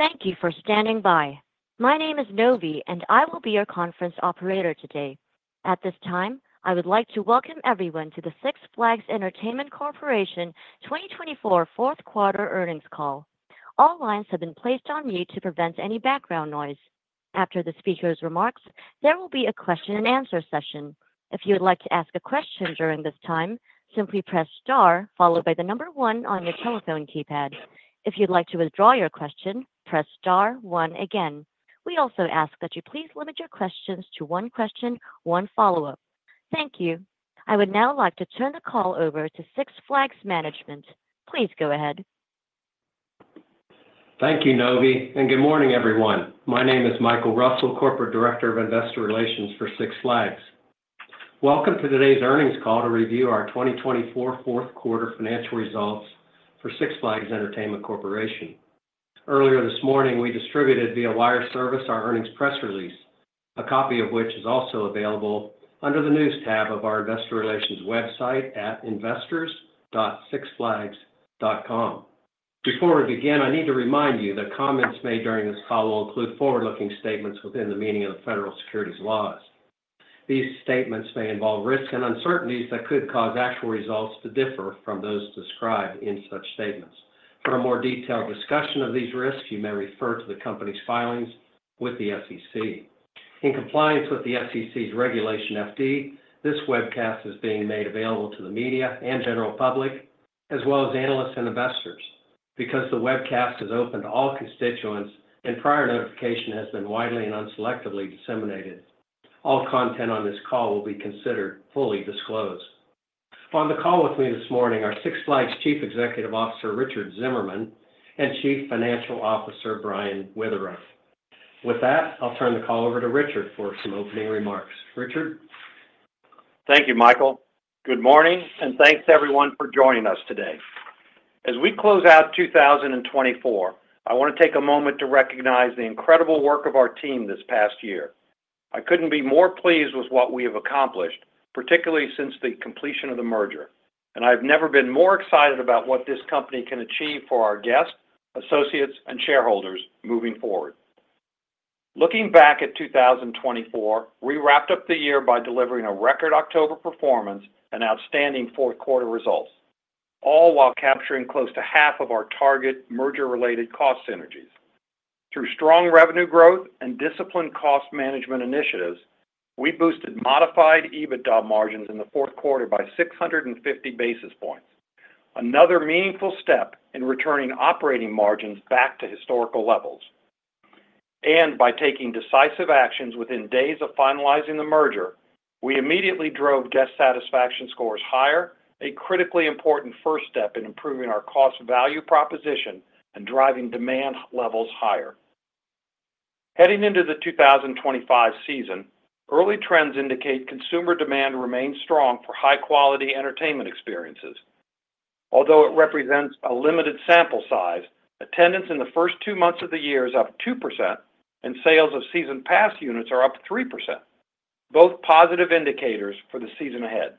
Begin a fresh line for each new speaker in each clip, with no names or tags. Thank you for standing by. My name is Novi, and I will be your conference operator today. At this time, I would like to welcome everyone to the Six Flags Entertainment Corporation 2024 Fourth Quarter Earnings Call. All lines have been placed on mute to prevent any background noise. After the speaker's remarks, there will be a question and answer session. If you would like to ask a question during this time, simply press * followed by the number 1 on your telephone keypad. If you'd like to withdraw your question, press *1 again. We also ask that you please limit your questions to one question, one follow-up. Thank you. I would now like to turn the call over to Six Flags Management. Please go ahead.
Thank you, Novi, and good morning, everyone. My name is Michael Russell, Corporate Director of Investor Relations for Six Flags. Welcome to today's earnings call to review our 2024 fourth quarter financial results for Six Flags Entertainment Corporation. Earlier this morning, we distributed via wire service our earnings press release, a copy of which is also available under the news tab of our investor relations website at investors.sixflags.com. Before we begin, I need to remind you that comments made during this call will include forward-looking statements within the meaning of the federal securities laws. These statements may involve risks and uncertainties that could cause actual results to differ from those described in such statements. For a more detailed discussion of these risks, you may refer to the company's filings with the SEC. In compliance with the SEC's Regulation FD, this webcast is being made available to the media and general public, as well as analysts and investors. Because the webcast is open to all constituents and prior notification has been widely and unselectively disseminated, all content on this call will be considered fully disclosed. On the call with me this morning are Six Flags Chief Executive Officer Richard Zimmerman and Chief Financial Officer Brian Witherow. With that, I'll turn the call over to Richard for some opening remarks. Richard.
Thank you, Michael. Good morning, and thanks everyone for joining us today. As we close out 2024, I want to take a moment to recognize the incredible work of our team this past year. I couldn't be more pleased with what we have accomplished, particularly since the completion of the merger, and I have never been more excited about what this company can achieve for our guests, associates, and shareholders moving forward. Looking back at 2024, we wrapped up the year by delivering a record October performance and outstanding fourth quarter results, all while capturing close to half of our target merger-related cost synergies. Through strong revenue growth and disciplined cost management initiatives, we boosted modified EBITDA margins in the fourth quarter by 650 basis points, another meaningful step in returning operating margins back to historical levels. By taking decisive actions within days of finalizing the merger, we immediately drove guest satisfaction scores higher, a critically important first step in improving our cost value proposition and driving demand levels higher. Heading into the 2025 season, early trends indicate consumer demand remains strong for high-quality entertainment experiences. Although it represents a limited sample size, attendance in the first two months of the year is up 2%, and sales of season pass units are up 3%, both positive indicators for the season ahead.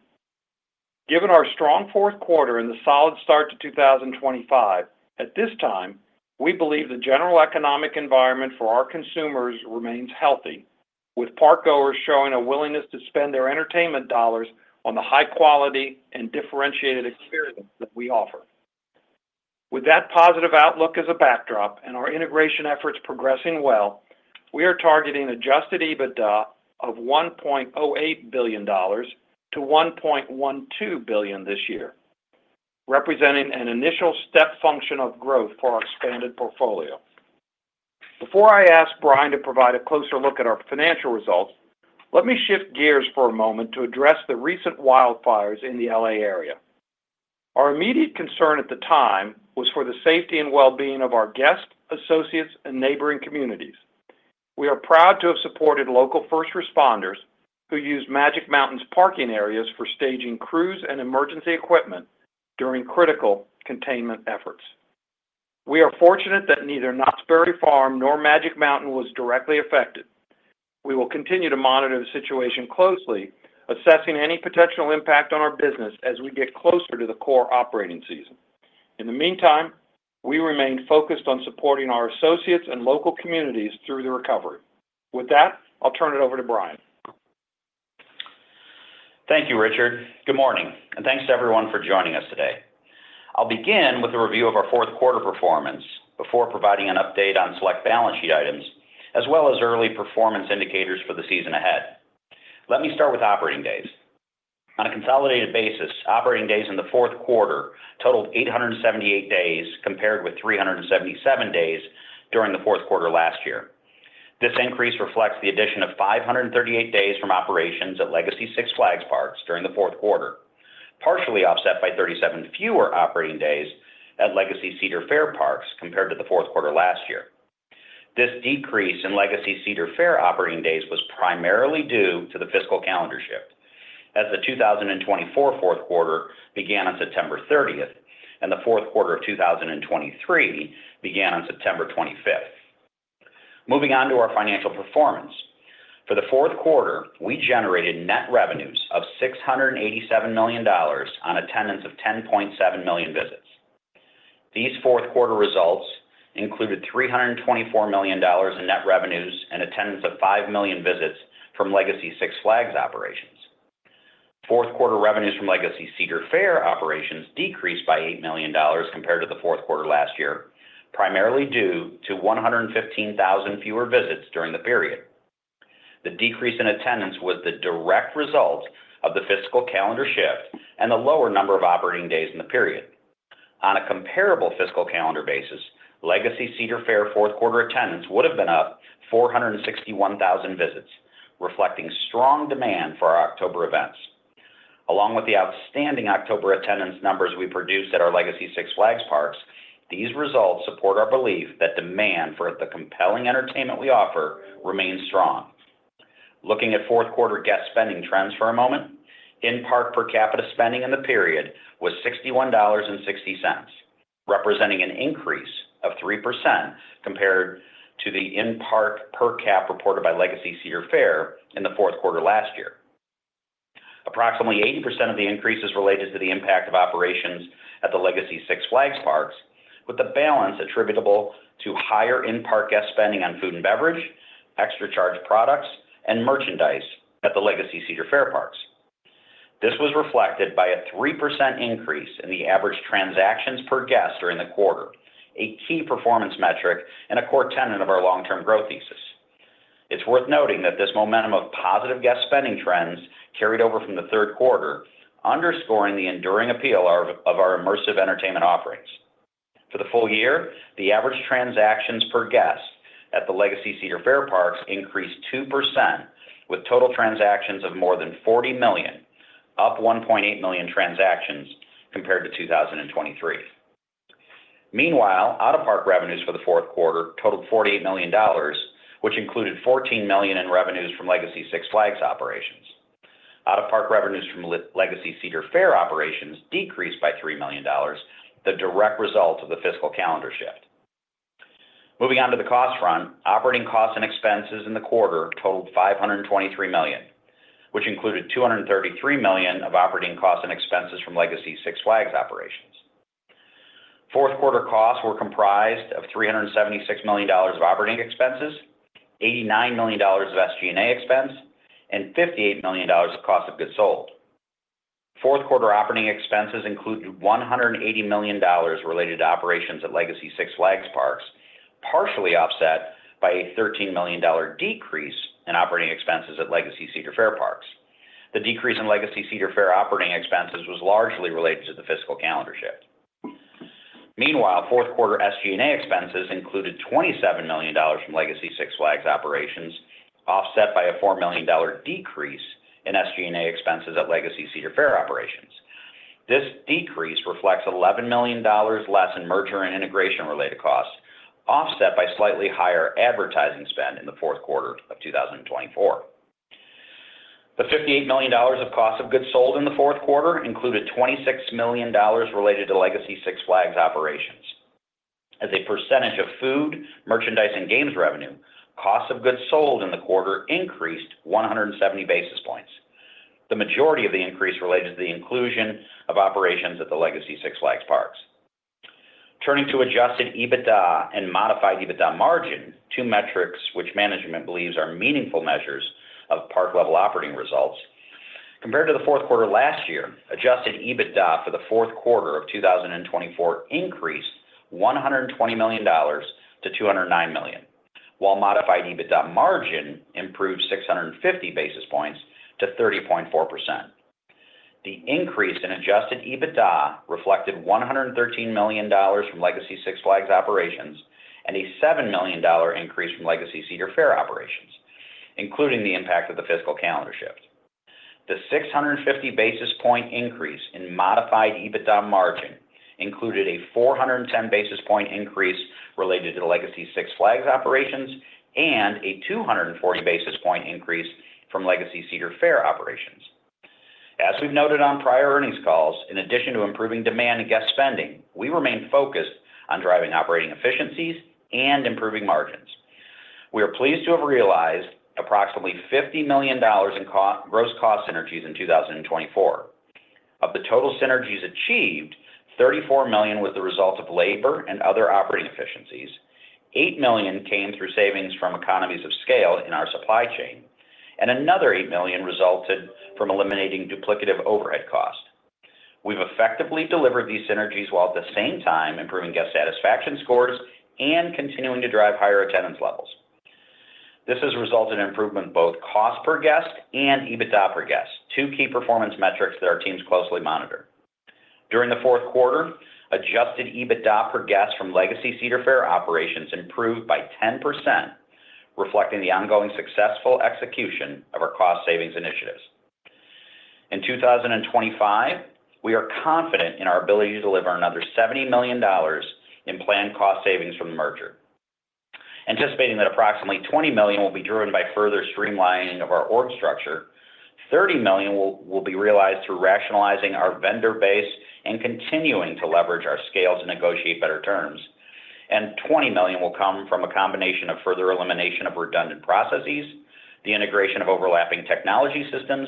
Given our strong fourth quarter and the solid start to 2025, at this time, we believe the general economic environment for our consumers remains healthy, with parkgoers showing a willingness to spend their entertainment dollars on the high-quality and differentiated experience that we offer. With that positive outlook as a backdrop and our integration efforts progressing well, we are targeting Adjusted EBITDA of $1.08 billion-$1.12 billion this year, representing an initial step function of growth for our expanded portfolio. Before I ask Brian to provide a closer look at our financial results, let me shift gears for a moment to address the recent wildfires in the LA area. Our immediate concern at the time was for the safety and well-being of our guests, associates, and neighboring communities. We are proud to have supported local first responders who used Magic Mountain's parking areas for staging crews and emergency equipment during critical containment efforts. We are fortunate that neither Knott's Berry Farm nor Magic Mountain was directly affected. We will continue to monitor the situation closely, assessing any potential impact on our business as we get closer to the core operating season. In the meantime, we remain focused on supporting our associates and local communities through the recovery. With that, I'll turn it over to Brian.
Thank you, Richard. Good morning, and thanks to everyone for joining us today. I'll begin with a review of our fourth quarter performance before providing an update on select balance sheet items, as well as early performance indicators for the season ahead. Let me start with operating days. On a consolidated basis, operating days in the fourth quarter totaled 878 days compared with 377 days during the fourth quarter last year. This increase reflects the addition of 538 days from operations at Legacy Six Flags Parks during the fourth quarter, partially offset by 37 fewer operating days at Legacy Cedar Fair Parks compared to the fourth quarter last year. This decrease in Legacy Cedar Fair operating days was primarily due to the fiscal calendar shift, as the 2024 fourth quarter began on September 30th and the fourth quarter of 2023 began on September 25th. Moving on to our financial performance, for the fourth quarter, we generated net revenues of $687 million on attendance of 10.7 million visits. These fourth quarter results included $324 million in net revenues and attendance of 5 million visits from Legacy Six Flags operations. Fourth quarter revenues from Legacy Cedar Fair operations decreased by $8 million compared to the fourth quarter last year, primarily due to 115,000 fewer visits during the period. The decrease in attendance was the direct result of the fiscal calendar shift and the lower number of operating days in the period. On a comparable fiscal calendar basis, Legacy Cedar Fair fourth quarter attendance would have been up 461,000 visits, reflecting strong demand for our October events. Along with the outstanding October attendance numbers we produced at our Legacy Six Flags Parks, these results support our belief that demand for the compelling entertainment we offer remains strong. Looking at fourth quarter guest spending trends for a moment, in-park per capita spending in the period was $61.60, representing an increase of 3% compared to the in-park per cap reported by Legacy Cedar Fair in the fourth quarter last year. Approximately 80% of the increase is related to the impact of operations at the Legacy Six Flags Parks, with the balance attributable to higher in-park guest spending on food and beverage, extra charge products, and merchandise at the Legacy Cedar Fair Parks. This was reflected by a 3% increase in the average transactions per guest during the quarter, a key performance metric and a core tenet of our long-term growth thesis. It's worth noting that this momentum of positive guest spending trends carried over from the third quarter, underscoring the enduring appeal of our immersive entertainment offerings. For the full year, the average transactions per guest at the Legacy Cedar Fair Parks increased 2%, with total transactions of more than 40 million, up 1.8 million transactions compared to 2023. Meanwhile, out-of-park revenues for the fourth quarter totaled $48 million, which included $14 million in revenues from Legacy Six Flags operations. Out-of-park revenues from Legacy Cedar Fair operations decreased by $3 million, the direct result of the fiscal calendar shift. Moving on to the cost front, operating costs and expenses in the quarter totaled $523 million, which included $233 million of operating costs and expenses from Legacy Six Flags operations. Fourth quarter costs were comprised of $376 million of operating expenses, $89 million of SG&A expense, and $58 million of cost of goods sold. Fourth quarter operating expenses included $180 million related to operations at Legacy Six Flags Parks, partially offset by a $13 million decrease in operating expenses at Legacy Cedar Fair Parks. The decrease in Legacy Cedar Fair operating expenses was largely related to the fiscal calendar shift. Meanwhile, fourth quarter SG&A expenses included $27 million from Legacy Six Flags operations, offset by a $4 million decrease in SG&A expenses at Legacy Cedar Fair operations. This decrease reflects $11 million less in merger and integration-related costs, offset by slightly higher advertising spend in the fourth quarter of 2024. The $58 million of cost of goods sold in the fourth quarter included $26 million related to Legacy Six Flags operations. As a percentage of food, merchandise, and games revenue, cost of goods sold in the quarter increased 170 basis points. The majority of the increase related to the inclusion of operations at the Legacy Six Flags Parks. Turning to Adjusted EBITDA and Modified EBITDA margin, two metrics which management believes are meaningful measures of park-level operating results. Compared to the fourth quarter last year, Adjusted EBITDA for the fourth quarter of 2024 increased $120 million to $209 million, while Modified EBITDA margin improved 650 basis points to 30.4%. The increase in Adjusted EBITDA reflected $113 million from Legacy Six Flags operations and a $7 million increase from Legacy Cedar Fair operations, including the impact of the fiscal calendar shift. The 650 basis point increase in Modified EBITDA margin included a 410 basis point increase related to Legacy Six Flags operations and a 240 basis point increase from Legacy Cedar Fair operations. As we've noted on prior earnings calls, in addition to improving demand and guest spending, we remain focused on driving operating efficiencies and improving margins. We are pleased to have realized approximately $50 million in gross cost synergies in 2024. Of the total synergies achieved, $34 million was the result of labor and other operating efficiencies. $8 million came through savings from economies of scale in our supply chain, and another $8 million resulted from eliminating duplicative overhead cost. We've effectively delivered these synergies while at the same time improving guest satisfaction scores and continuing to drive higher attendance levels. This has resulted in improvement in both cost per guest and EBITDA per guest, two key performance metrics that our teams closely monitor. During the fourth quarter, adjusted EBITDA per guest from Legacy Cedar Fair operations improved by 10%, reflecting the ongoing successful execution of our cost savings initiatives. In 2025, we are confident in our ability to deliver another $70 million in planned cost savings from the merger. Anticipating that approximately $20 million will be driven by further streamlining of our org structure, $30 million will be realized through rationalizing our vendor base and continuing to leverage our scales to negotiate better terms, and $20 million will come from a combination of further elimination of redundant processes, the integration of overlapping technology systems,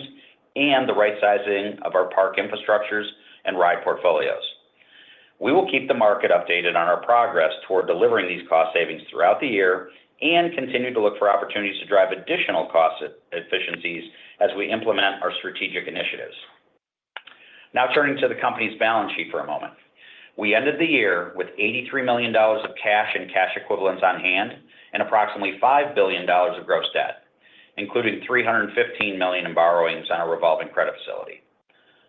and the right-sizing of our park infrastructures and ride portfolios. We will keep the market updated on our progress toward delivering these cost savings throughout the year and continue to look for opportunities to drive additional cost efficiencies as we implement our strategic initiatives. Now, turning to the company's balance sheet for a moment. We ended the year with $83 million of cash and cash equivalents on hand and approximately $5 billion of gross debt, including $315 million in borrowings on a revolving credit facility.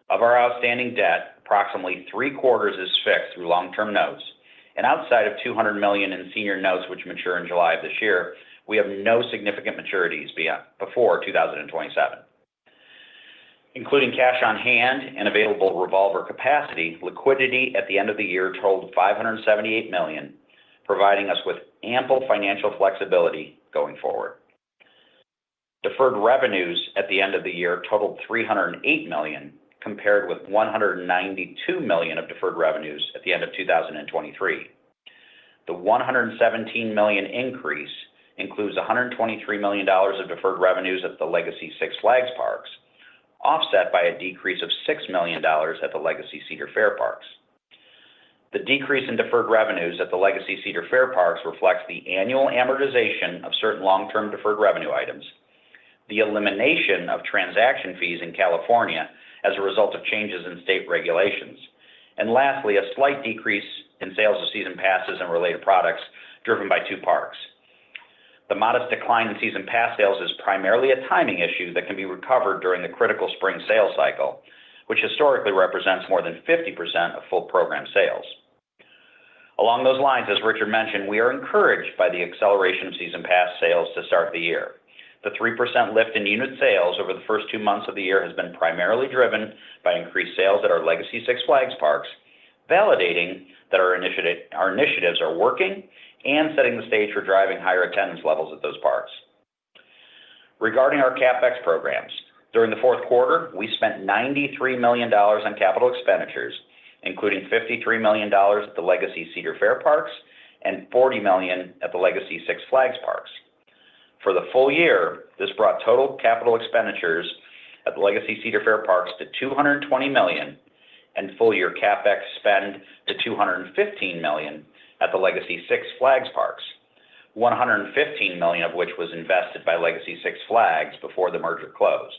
Of our outstanding debt, approximately three-quarters is fixed through long-term notes, and outside of $200 million in senior notes, which mature in July of this year, we have no significant maturities before 2027. Including cash on hand and available revolver capacity, liquidity at the end of the year totaled $578 million, providing us with ample financial flexibility going forward. Deferred revenues at the end of the year totaled $308 million, compared with $192 million of deferred revenues at the end of 2023. The $117 million increase includes $123 million of deferred revenues at the Legacy Six Flags Parks, offset by a decrease of $6 million at the Legacy Cedar Fair Parks. The decrease in deferred revenues at the Legacy Cedar Fair Parks reflects the annual amortization of certain long-term deferred revenue items, the elimination of transaction fees in California as a result of changes in state regulations, and lastly, a slight decrease in sales of season passes and related products driven by two parks. The modest decline in season pass sales is primarily a timing issue that can be recovered during the critical spring sales cycle, which historically represents more than 50% of full program sales. Along those lines, as Richard mentioned, we are encouraged by the acceleration of season pass sales to start the year. The 3% lift in unit sales over the first two months of the year has been primarily driven by increased sales at our Legacy Six Flags Parks, validating that our initiatives are working and setting the stage for driving higher attendance levels at those parks. Regarding our CapEx programs, during the fourth quarter, we spent $93 million on capital expenditures, including $53 million at the Legacy Cedar Fair Parks and $40 million at the Legacy Six Flags Parks. For the full year, this brought total capital expenditures at the Legacy Cedar Fair Parks to $220 million and full-year CapEx spend to $215 million at the Legacy Six Flags Parks, $115 million of which was invested by Legacy Six Flags before the merger closed.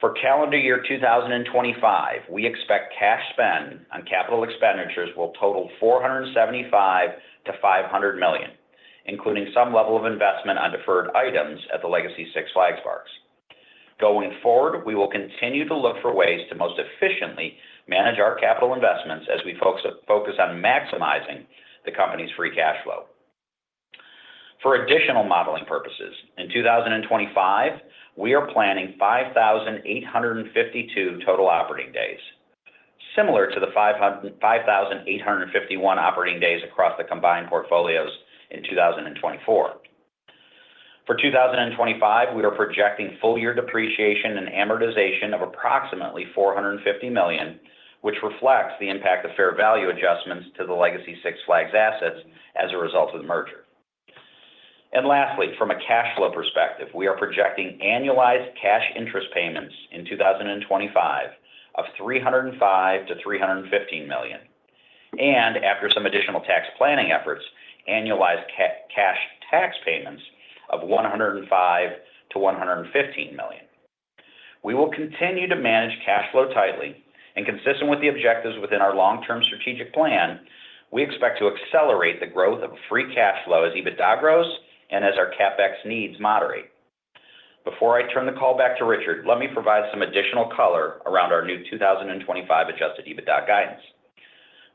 For calendar year 2025, we expect cash spend on capital expenditures will total $475-$500 million, including some level of investment on deferred items at the Legacy Six Flags Parks. Going forward, we will continue to look for ways to most efficiently manage our capital investments as we focus on maximizing the company's free cash flow. For additional modeling purposes, in 2025, we are planning 5,852 total operating days, similar to the 5,851 operating days across the combined portfolios in 2024. For 2025, we are projecting full-year depreciation and amortization of approximately $450 million, which reflects the impact of fair value adjustments to the Legacy Six Flags assets as a result of the merger. Lastly, from a cash flow perspective, we are projecting annualized cash interest payments in 2025 of $305-$315 million, and after some additional tax planning efforts, annualized cash tax payments of $105-$115 million. We will continue to manage cash flow tightly, and consistent with the objectives within our long-term strategic plan, we expect to accelerate the growth of free cash flow as EBITDA grows and as our CapEx needs moderate. Before I turn the call back to Richard, let me provide some additional color around our new 2025 Adjusted EBITDA guidance.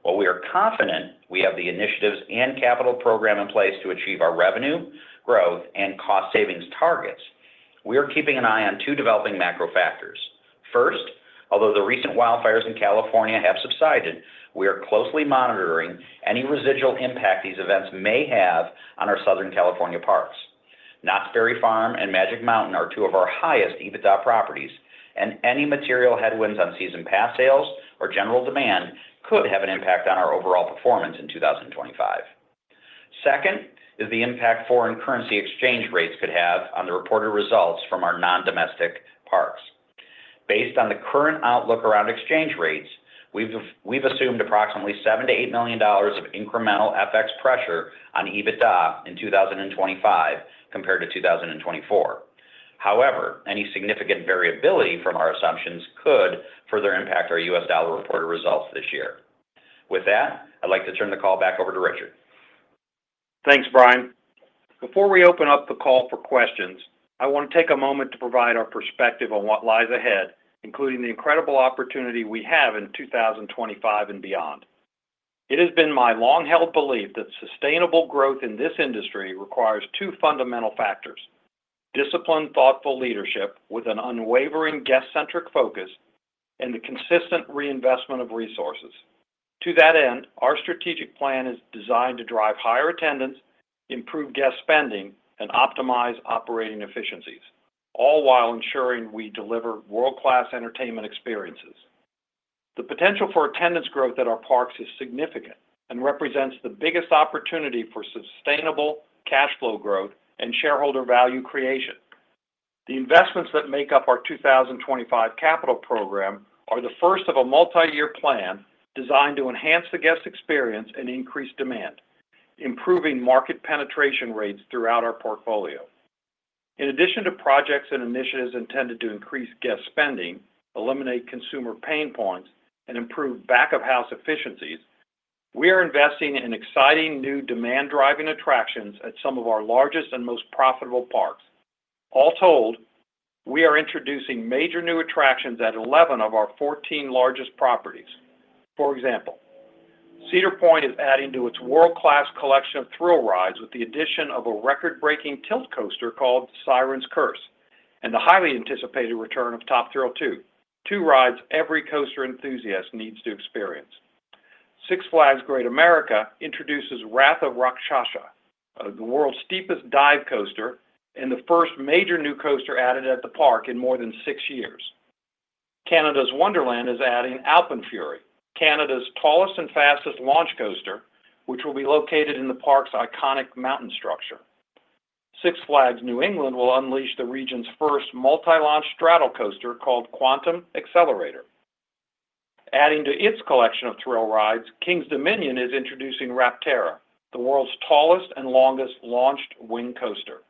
While we are confident we have the initiatives and capital program in place to achieve our revenue, growth, and cost savings targets, we are keeping an eye on two developing macro factors. First, although the recent wildfires in California have subsided, we are closely monitoring any residual impact these events may have on our Southern California parks. Knott's Berry Farm and Magic Mountain are two of our highest EBITDA properties, and any material headwinds on season pass sales or general demand could have an impact on our overall performance in 2025. Second, is the impact foreign currency exchange rates could have on the reported results from our non-domestic parks. Based on the current outlook around exchange rates, we've assumed approximately $7-$8 million of incremental FX pressure on EBITDA in 2025 compared to 2024. However, any significant variability from our assumptions could further impact our U.S. dollar reported results this year. With that, I'd like to turn the call back over to Richard.
Thanks, Brian. Before we open up the call for questions, I want to take a moment to provide our perspective on what lies ahead, including the incredible opportunity we have in 2025 and beyond. It has been my long-held belief that sustainable growth in this industry requires two fundamental factors: disciplined, thoughtful leadership with an unwavering guest-centric focus, and the consistent reinvestment of resources. To that end, our strategic plan is designed to drive higher attendance, improve guest spending, and optimize operating efficiencies, all while ensuring we deliver world-class entertainment experiences. The potential for attendance growth at our parks is significant and represents the biggest opportunity for sustainable cash flow growth and shareholder value creation. The investments that make up our 2025 capital program are the first of a multi-year plan designed to enhance the guest experience and increase demand, improving market penetration rates throughout our portfolio. In addition to projects and initiatives intended to increase guest spending, eliminate consumer pain points, and improve back-of-house efficiencies, we are investing in exciting new demand-driving attractions at some of our largest and most profitable parks. All told, we are introducing major new attractions at 11 of our 14 largest properties. For example, Cedar Point is adding to its world-class collection of thrill rides with the addition of a record-breaking tilt coaster called Siren's Curse and the highly anticipated return of Top Thrill 2, two rides every coaster enthusiast needs to experience. Six Flags Great America introduces Wrath of Rakshasa, the world's steepest dive coaster and the first major new coaster added at the park in more than six years. Canada's Wonderland is adding AlpenFury, Canada's tallest and fastest launch coaster, which will be located in the park's iconic mountain structure. Six Flags New England will unleash the region's first multi-launch straddle coaster called Quantum Accelerator. Adding to its collection of thrill rides, Kings Dominion is introducing Rapterra, the world's tallest and longest launched wing coaster.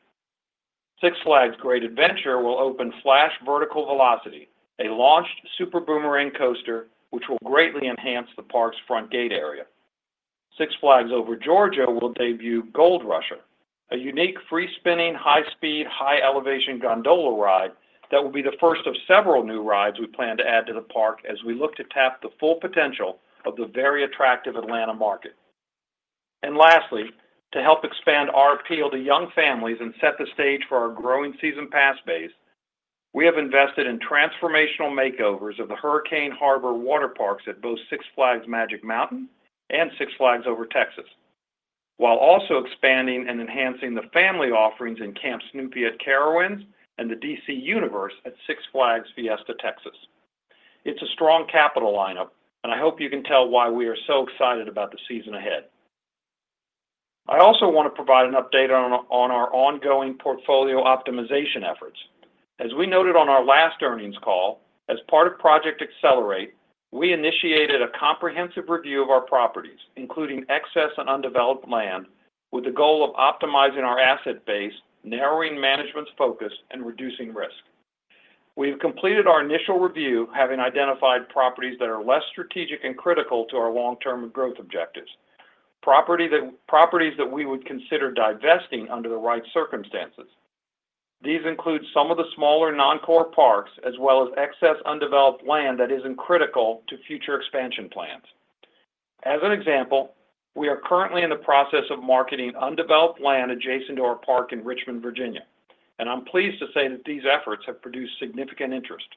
Six Flags Great Adventure will open The Flash: Vertical Velocity, a launched super boomerang coaster which will greatly enhance the park's front gate area. Six Flags Over Georgia will debut Georgia Surfer, a unique free-spinning, high-speed, high-elevation gondola ride that will be the first of several new rides we plan to add to the park as we look to tap the full potential of the very attractive Atlanta market, and lastly, to help expand our appeal to young families and set the stage for our growing season pass base. We have invested in transformational makeovers of the Hurricane Harbor water parks at both Six Flags Magic Mountain and Six Flags Over Texas, while also expanding and enhancing the family offerings in Camp Snoopy at Carowinds and the DC Universe at Six Flags Fiesta Texas. It's a strong capital lineup, and I hope you can tell why we are so excited about the season ahead. I also want to provide an update on our ongoing portfolio optimization efforts. As we noted on our last earnings call, as part of Project Accelerate, we initiated a comprehensive review of our properties, including excess and undeveloped land, with the goal of optimizing our asset base, narrowing management's focus, and reducing risk. We have completed our initial review, having identified properties that are less strategic and critical to our long-term growth objectives, properties that we would consider divesting under the right circumstances. These include some of the smaller non-core parks as well as excess undeveloped land that isn't critical to future expansion plans. As an example, we are currently in the process of marketing undeveloped land adjacent to our park in Richmond, Virginia, and I'm pleased to say that these efforts have produced significant interest.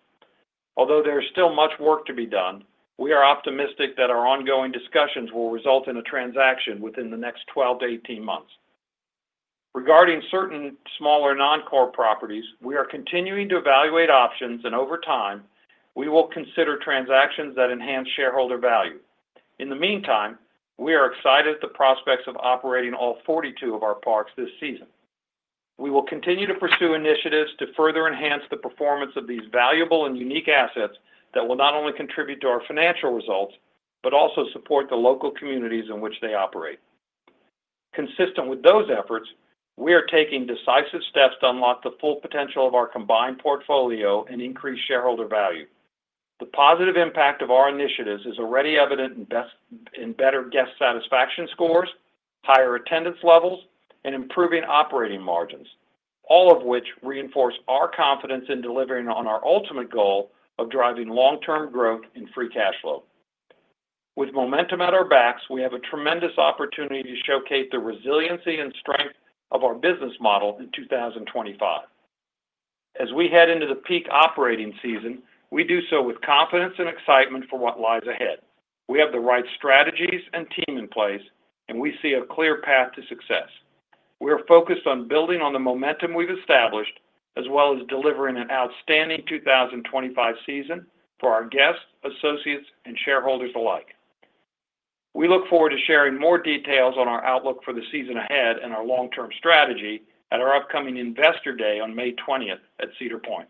Although there is still much work to be done, we are optimistic that our ongoing discussions will result in a transaction within the next 12-18 months. Regarding certain smaller non-core properties, we are continuing to evaluate options, and over time, we will consider transactions that enhance shareholder value. In the meantime, we are excited at the prospects of operating all 42 of our parks this season. We will continue to pursue initiatives to further enhance the performance of these valuable and unique assets that will not only contribute to our financial results but also support the local communities in which they operate. Consistent with those efforts, we are taking decisive steps to unlock the full potential of our combined portfolio and increase shareholder value. The positive impact of our initiatives is already evident in better guest satisfaction scores, higher attendance levels, and improving operating margins, all of which reinforce our confidence in delivering on our ultimate goal of driving long-term growth and free cash flow. With momentum at our backs, we have a tremendous opportunity to showcase the resiliency and strength of our business model in 2025. As we head into the peak operating season, we do so with confidence and excitement for what lies ahead. We have the right strategies and team in place, and we see a clear path to success. We are focused on building on the momentum we've established as well as delivering an outstanding 2025 season for our guests, associates, and shareholders alike. We look forward to sharing more details on our outlook for the season ahead and our long-term strategy at our upcoming Investor Day on May 20th at Cedar Point.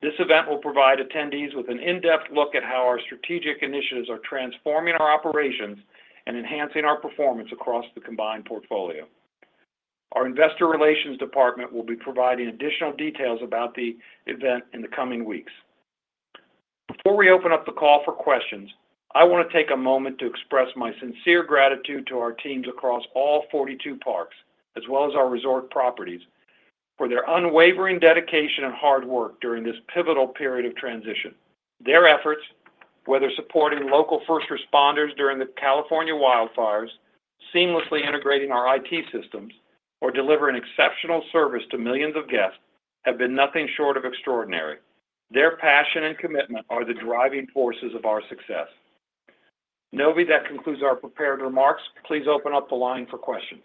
This event will provide attendees with an in-depth look at how our strategic initiatives are transforming our operations and enhancing our performance across the combined portfolio. Our Investor Relations Department will be providing additional details about the event in the coming weeks. Before we open up the call for questions, I want to take a moment to express my sincere gratitude to our teams across all 42 parks, as well as our resort properties, for their unwavering dedication and hard work during this pivotal period of transition. Their efforts, whether supporting local first responders during the California wildfires, seamlessly integrating our IT systems, or delivering exceptional service to millions of guests, have been nothing short of extraordinary. Their passion and commitment are the driving forces of our success. Novi, that concludes our prepared remarks. Please open up the line for questions.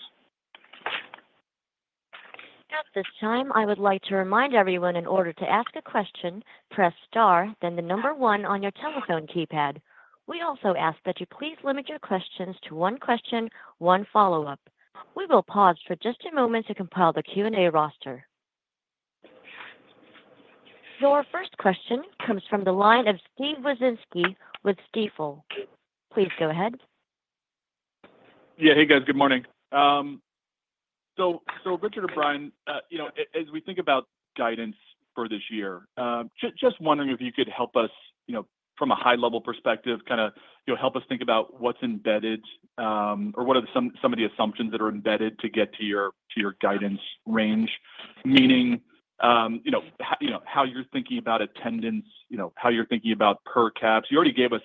At this time, I would like to remind everyone in order to ask a question, press *, then the number 1 on your telephone keypad. We also ask that you please limit your questions to one question, one follow-up. We will pause for just a moment to compile the Q&A roster. Your first question comes from the line of Steve Wieczynski with Stifel. Please go ahead.
Yeah. Hey, guys. Good morning. Richard or Brian, as we think about guidance for this year, just wondering if you could help us from a high-level perspective, kind of help us think about what's embedded or what are some of the assumptions that are embedded to get to your guidance range, meaning how you're thinking about attendance, how you're thinking about per caps? You already gave us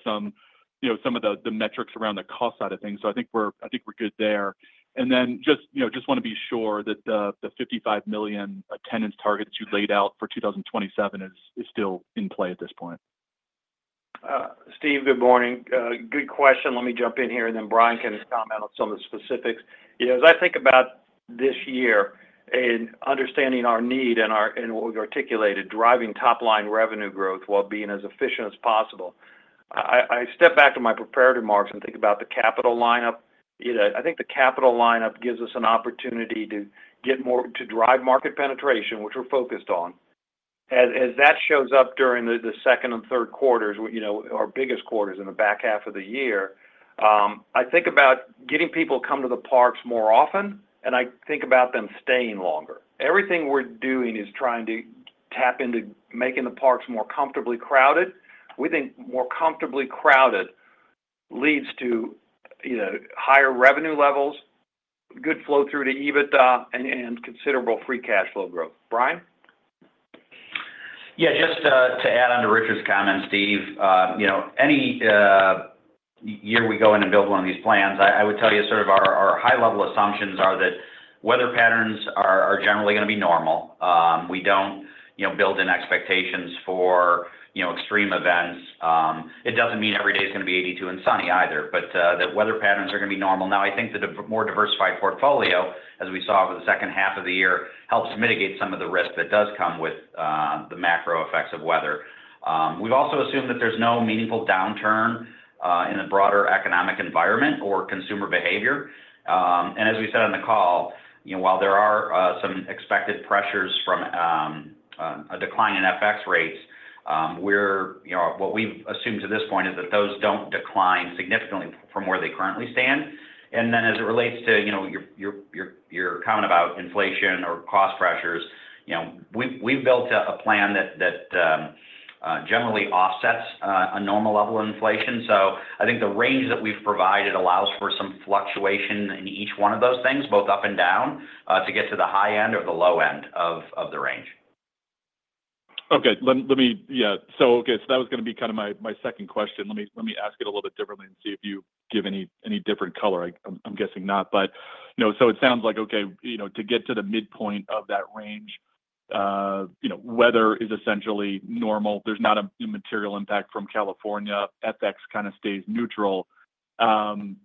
some of the metrics around the cost side of things, so I think we're good there. And then just want to be sure that the 55 million attendance targets you laid out for 2027 is still in play at this point.
Steve, good morning. Good question. Let me jump in here, and then Brian can comment on some of the specifics. As I think about this year and understanding our need and what we've articulated, driving top-line revenue growth while being as efficient as possible, I step back to my prepared remarks and think about the capital lineup. I think the capital lineup gives us an opportunity to drive market penetration, which we're focused on. As that shows up during the second and third quarters, our biggest quarters in the back half of the year, I think about getting people to come to the parks more often, and I think about them staying longer. Everything we're doing is trying to tap into making the parks more comfortably crowded. We think more comfortably crowded leads to higher revenue levels, good flow-through to EBITDA, and considerable free cash flow growth. Brian?
Yeah. Just to add on to Richard's comment, Steve, any year we go in and build one of these plans, I would tell you sort of our high-level assumptions are that weather patterns are generally going to be normal. We don't build in expectations for extreme events. It doesn't mean every day is going to be 82 and sunny either, but that weather patterns are going to be normal. Now, I think the more diversified portfolio, as we saw over the second half of the year, helps mitigate some of the risk that does come with the macro effects of weather. We've also assumed that there's no meaningful downturn in the broader economic environment or consumer behavior. As we said on the call, while there are some expected pressures from a decline in FX rates, what we've assumed to this point is that those don't decline significantly from where they currently stand. As it relates to your comment about inflation or cost pressures, we've built a plan that generally offsets a normal level of inflation. I think the range that we've provided allows for some fluctuation in each one of those things, both up and down, to get to the high end or the low end of the range.
Okay. Yeah. Okay, so that was going to be kind of my second question. Let me ask it a little bit differently and see if you give any different color. I'm guessing not, but it sounds like, okay, to get to the midpoint of that range, weather is essentially normal. There's not a material impact from California. FX kind of stays neutral. Am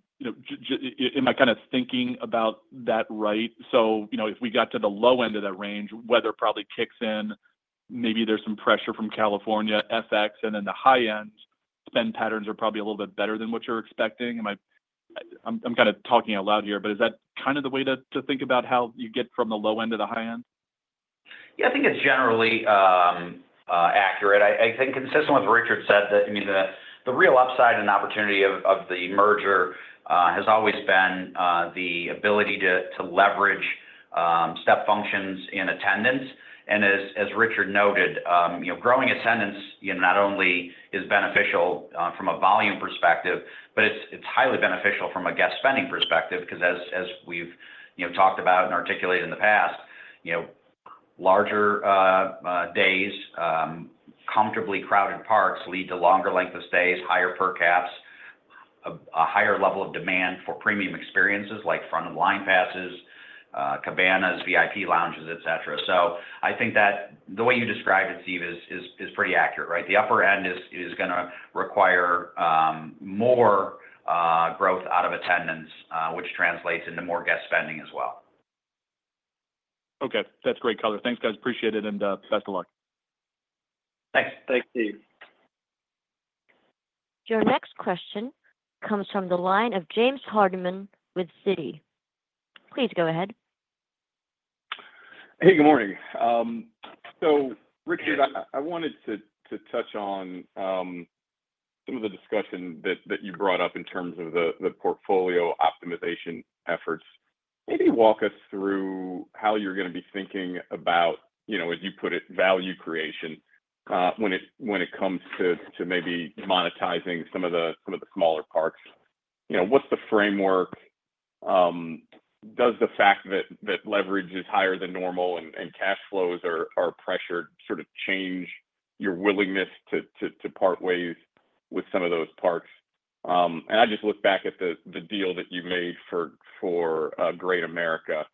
I kind of thinking about that right? So if we got to the low end of that range, weather probably kicks in. Maybe there's some pressure from California, FX, and then the high end. Spend patterns are probably a little bit better than what you're expecting. I'm kind of talking out loud here, but is that kind of the way to think about how you get from the low end to the high end?
Yeah. I think it's generally accurate. I think consistent with what Richard said, I mean, the real upside and opportunity of the merger has always been the ability to leverage step functions in attendance. As Richard noted, growing attendance not only is beneficial from a volume perspective, but it's highly beneficial from a guest spending perspective because, as we've talked about and articulated in the past, larger days, comfortably crowded parks lead to longer length of stays, higher per caps, a higher level of demand for premium experiences like front-of-line passes, cabanas, VIP lounges, etc. So I think that the way you described it, Steve, is pretty accurate, right? The upper end is going to require more growth out of attendance, which translates into more guest spending as well.
Okay. That's great color. Thanks, guys. Appreciate it, and best of luck.
Thanks.
Thanks, Steve.
Your next question comes from the line of James Hardiman with Citi. Please go ahead.
Hey, good morning. So Richard, I wanted to touch on some of the discussion that you brought up in terms of the portfolio optimization efforts. Maybe walk us through how you're going to be thinking about, as you put it, value creation when it comes to maybe monetizing some of the smaller parks. What's the framework? Does the fact that leverage is higher than normal and cash flows are pressured sort of change your willingness to part ways with some of those parks? And I just look back at the deal that you made for Great America,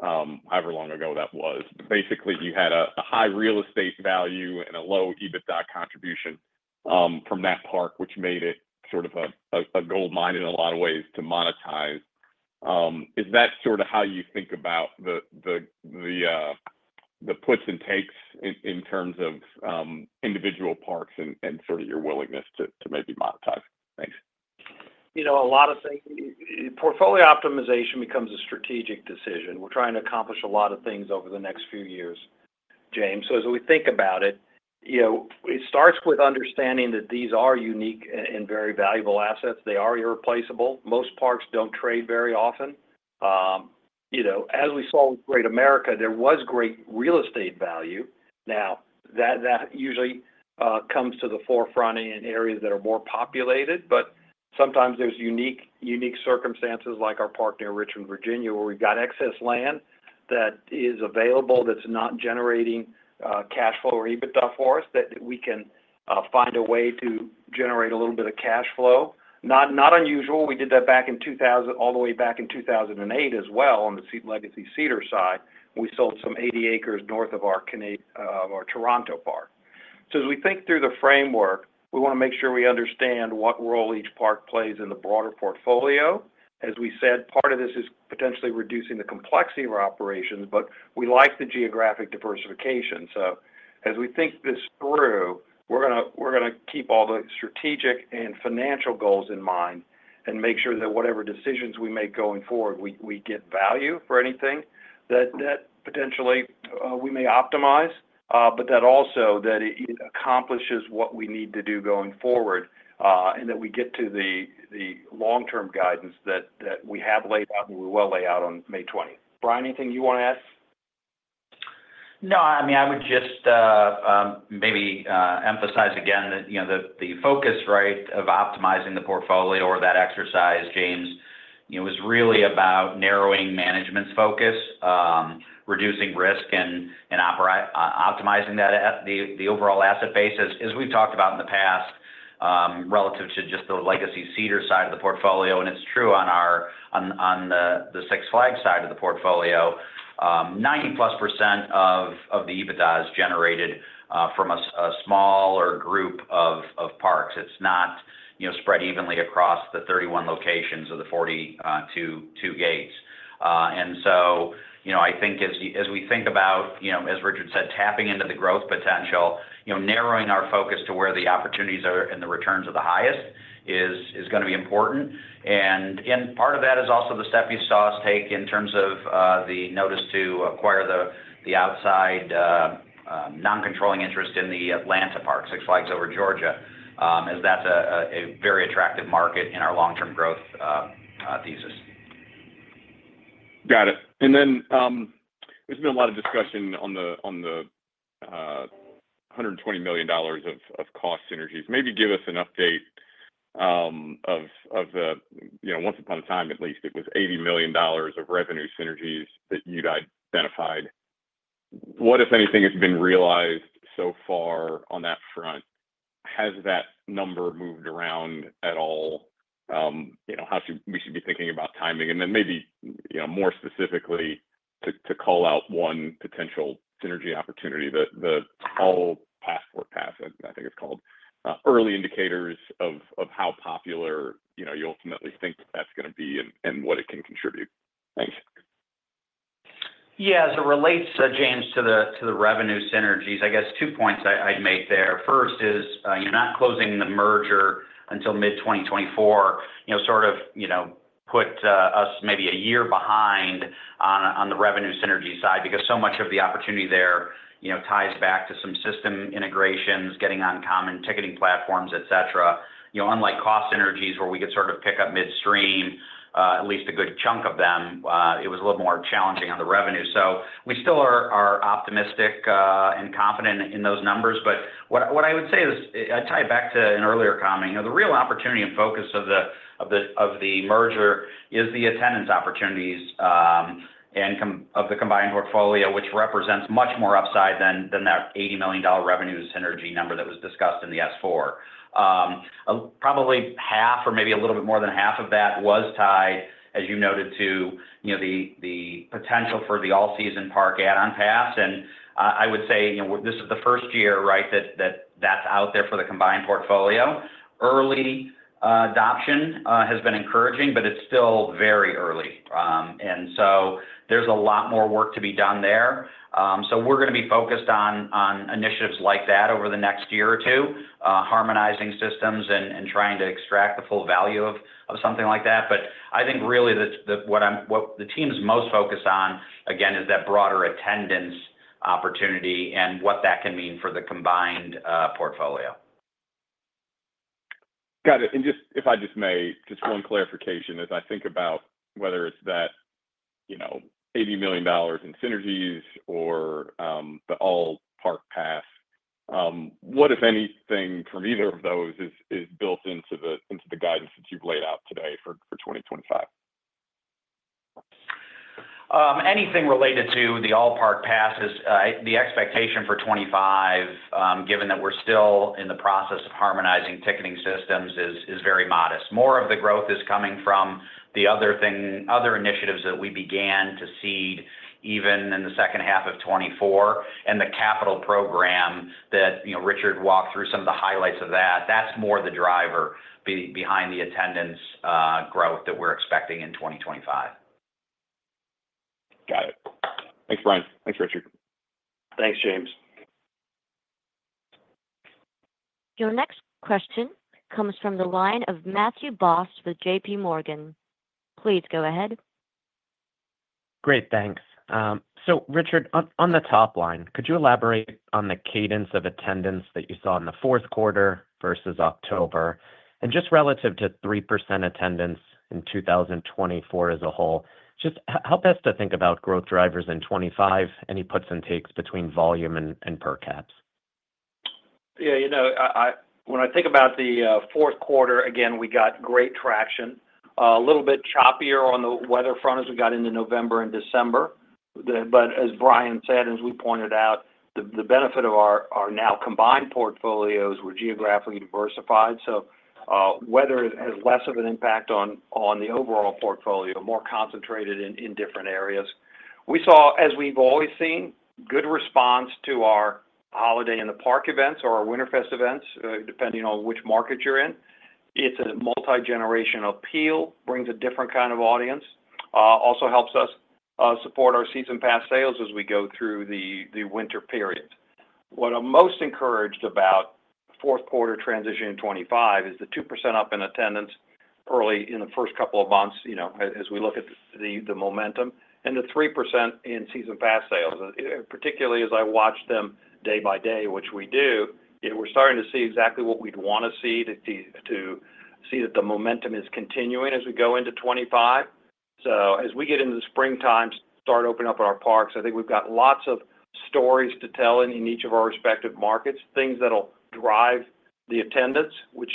however long ago that was. Basically, you had a high real estate value and a low EBITDA contribution from that park, which made it sort of a gold mine in a lot of ways to monetize. Is that sort of how you think about the puts and takes in terms of individual parks and sort of your willingness to maybe monetize? Thanks.
A lot of things. Portfolio optimization becomes a strategic decision. We're trying to accomplish a lot of things over the next few years, James. So as we think about it, it starts with understanding that these are unique and very valuable assets. They are irreplaceable. Most parks don't trade very often. As we saw with Great America, there was great real estate value. Now, that usually comes to the forefront in areas that are more populated, but sometimes there's unique circumstances like our park near Richmond, Virginia, where we've got excess land that is available that's not generating cash flow or EBITDA for us that we can find a way to generate a little bit of cash flow. Not unusual. We did that all the way back in 2008 as well on the legacy Cedar side. We sold some 80 acres north of our Toronto park. So as we think through the framework, we want to make sure we understand what role each park plays in the broader portfolio. As we said, part of this is potentially reducing the complexity of our operations, but we like the geographic diversification. So as we think this through, we're going to keep all the strategic and financial goals in mind and make sure that whatever decisions we make going forward, we get value for anything that potentially we may optimize, but that also that it accomplishes what we need to do going forward and that we get to the long-term guidance that we have laid out and we will lay out on May 20th. Brian, anything you want to add?
No. I mean, I would just maybe emphasize again that the focus, right, of optimizing the portfolio or that exercise, James, was really about narrowing management's focus, reducing risk, and optimizing that at the overall asset base. As we've talked about in the past relative to just the legacy Cedar side of the portfolio, and it's true on the Six Flags side of the portfolio, 90-plus% of the EBITDA is generated from a smaller group of parks. It's not spread evenly across the 31 locations or the 42 gates. And so I think as we think about, as Richard said, tapping into the growth potential, narrowing our focus to where the opportunities are and the returns are the highest is going to be important. And part of that is also the step you saw us take in terms of the notice to acquire the outside non-controlling interest in the Atlanta park, Six Flags Over Georgia, as that's a very attractive market in our long-term growth thesis.
Got it. And then there's been a lot of discussion on the $120 million of cost synergies. Maybe give us an update of the, once upon a time at least, it was $80 million of revenue synergies that you'd identified. What, if anything, has been realized so far on that front? Has that number moved around at all? How should we be thinking about timing? And then maybe more specifically to call out one potential synergy opportunity, the All Park Passport, I think it's called, early indicators of how popular you ultimately think that's going to be and what it can contribute. Thanks.
Yeah. As it relates, James, to the revenue synergies, I guess two points I'd make there. First is you're not closing the merger until mid-2024, sort of put us maybe a year behind on the revenue synergy side because so much of the opportunity there ties back to some system integrations, getting on common ticketing platforms, etc. Unlike cost synergies where we could sort of pick up midstream, at least a good chunk of them, it was a little more challenging on the revenue. So we still are optimistic and confident in those numbers, but what I would say is I tie it back to an earlier comment. The real opportunity and focus of the merger is the attendance opportunities of the combined portfolio, which represents much more upside than that $80 million revenue synergy number that was discussed in the S-4. Probably half or maybe a little bit more than half of that was tied, as you noted, to the potential for the all-season park add-on pass. And I would say this is the first year, right, that that's out there for the combined portfolio. Early adoption has been encouraging, but it's still very early. And so there's a lot more work to be done there. So we're going to be focused on initiatives like that over the next year or two, harmonizing systems and trying to extract the full value of something like that. But I think really that what the team's most focused on, again, is that broader attendance opportunity and what that can mean for the combined portfolio.
Got it. If I may, just one clarification as I think about whether it's that $80 million in synergies or the all-park pass, what, if anything, from either of those is built into the guidance that you've laid out today for 2025?
Anything related to the all-park passes, the expectation for 2025, given that we're still in the process of harmonizing ticketing systems, is very modest. More of the growth is coming from the other initiatives that we began to seed even in the second half of 2024 and the capital program that Richard walked through, some of the highlights of that. That's more the driver behind the attendance growth that we're expecting in 2025.
Got it. Thanks, Brian. Thanks, Richard.
Thanks, James.
Your next question comes from the line of Matthew Boss with JPMorgan. Please go ahead.
Great. Thanks. Richard, on the top line, could you elaborate on the cadence of attendance that you saw in the fourth quarter versus October? And just relative to 3% attendance in 2024 as a whole, just help us to think about growth drivers in 2025 and any puts and takes between volume and per caps.
Yeah. When I think about the fourth quarter, again, we got great traction. A little bit choppier on the weather front as we got into November and December. But as Brian said, and as we pointed out, the benefit of our now combined portfolios were geographically diversified. So weather has less of an impact on the overall portfolio, more concentrated in different areas. We saw, as we've always seen, good response to our Holiday in the Park events or our WinterFest events, depending on which market you're in. It's a multi-generational appeal, brings a different kind of audience, also helps us support our season pass sales as we go through the winter period. What I'm most encouraged about fourth quarter transition in 2025 is the 2% up in attendance early in the first couple of months as we look at the momentum and the 3% in season pass sales. Particularly as I watch them day by day, which we do, we're starting to see exactly what we'd want to see to see that the momentum is continuing as we go into 2025. So as we get into the springtime, start opening up in our parks, I think we've got lots of stories to tell in each of our respective markets, things that'll drive the attendance, which,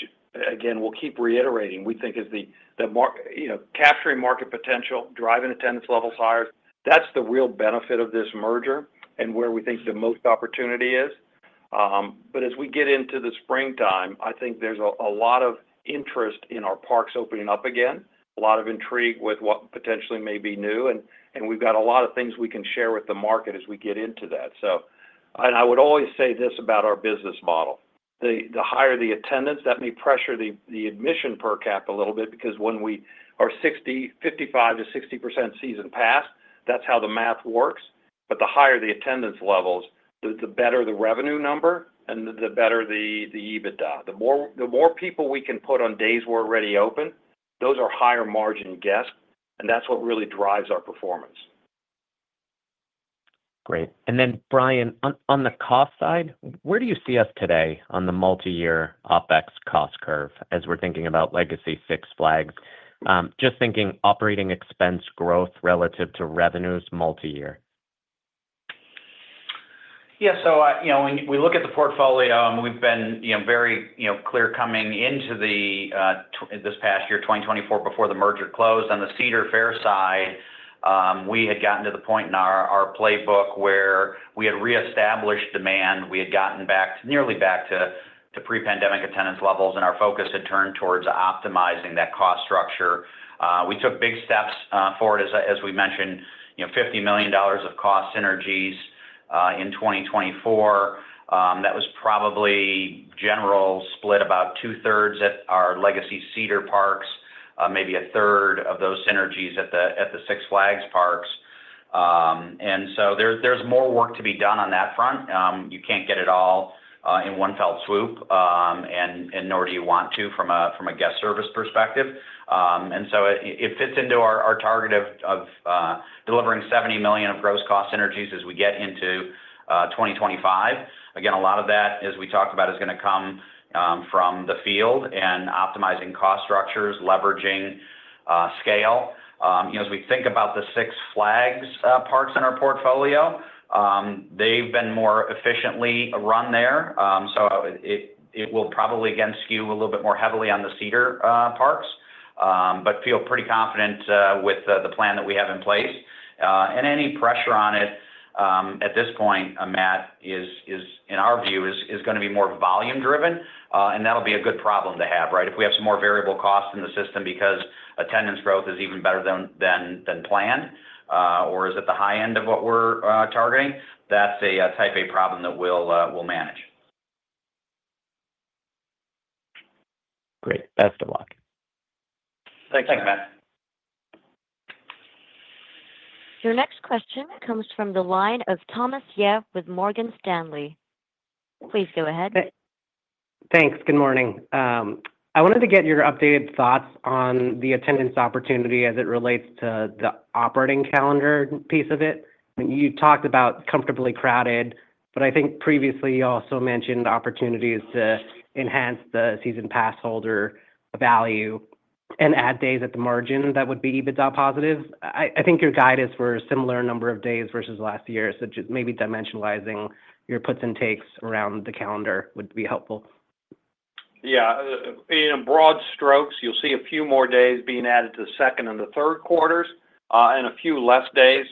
again, we'll keep reiterating, we think is the capturing market potential, driving attendance levels higher. That's the real benefit of this merger and where we think the most opportunity is. But as we get into the springtime, I think there's a lot of interest in our parks opening up again, a lot of intrigue with what potentially may be new. And we've got a lot of things we can share with the market as we get into that. And I would always say this about our business model. The higher the attendance, that may pressure the admission per cap a little bit because when we are 55%-60% season pass, that's how the math works. But the higher the attendance levels, the better the revenue number and the better the EBITDA. The more people we can put on days we're already open, those are higher margin guests, and that's what really drives our performance.
Great. And then, Brian, on the cost side, where do you see us today on the multi-year OpEx cost curve as we're thinking about legacy Six Flags? Just thinking operating expense growth relative to revenues multi-year.
Yeah. So when we look at the portfolio, we've been very clear coming into this past year, 2024, before the merger closed. On the Cedar Fair side, we had gotten to the point in our playbook where we had reestablished demand. We had gotten nearly back to pre-pandemic attendance levels, and our focus had turned towards optimizing that cost structure. We took big steps forward, as we mentioned, $50 million of cost synergies in 2024. That was probably generally split about two-thirds at our legacy Cedar parks, maybe a third of those synergies at the Six Flags parks. And so there's more work to be done on that front. You can't get it all in one fell swoop, and nor do you want to from a guest service perspective. And so it fits into our target of delivering $70 million of gross cost synergies as we get into 2025. Again, a lot of that, as we talked about, is going to come from the field and optimizing cost structures, leveraging scale. As we think about the Six Flags parks in our portfolio, they've been more efficiently run there. So it will probably again skew a little bit more heavily on the cedar parks, but feel pretty confident with the plan that we have in place. And any pressure on it at this point, Matt, in our view, is going to be more volume-driven, and that'll be a good problem to have, right? If we have some more variable costs in the system because attendance growth is even better than planned, or is at the high end of what we're targeting, that's a type A problem that we'll manage.
Great. Best of luck.
Thanks, Matt.
Your next question comes from the line of Thomas Yeh with Morgan Stanley. Please go ahead.
Thanks. Good morning. I wanted to get your updated thoughts on the attendance opportunity as it relates to the operating calendar piece of it. You talked about comfortably crowded, but I think previously you also mentioned opportunities to enhance the season pass holder value and add days at the margin that would be EBITDA positive. I think your guidance for a similar number of days versus last year, so just maybe dimensionalizing your puts and takes around the calendar would be helpful.
Yeah. In broad strokes, you'll see a few more days being added to the second and the third quarters and a few less days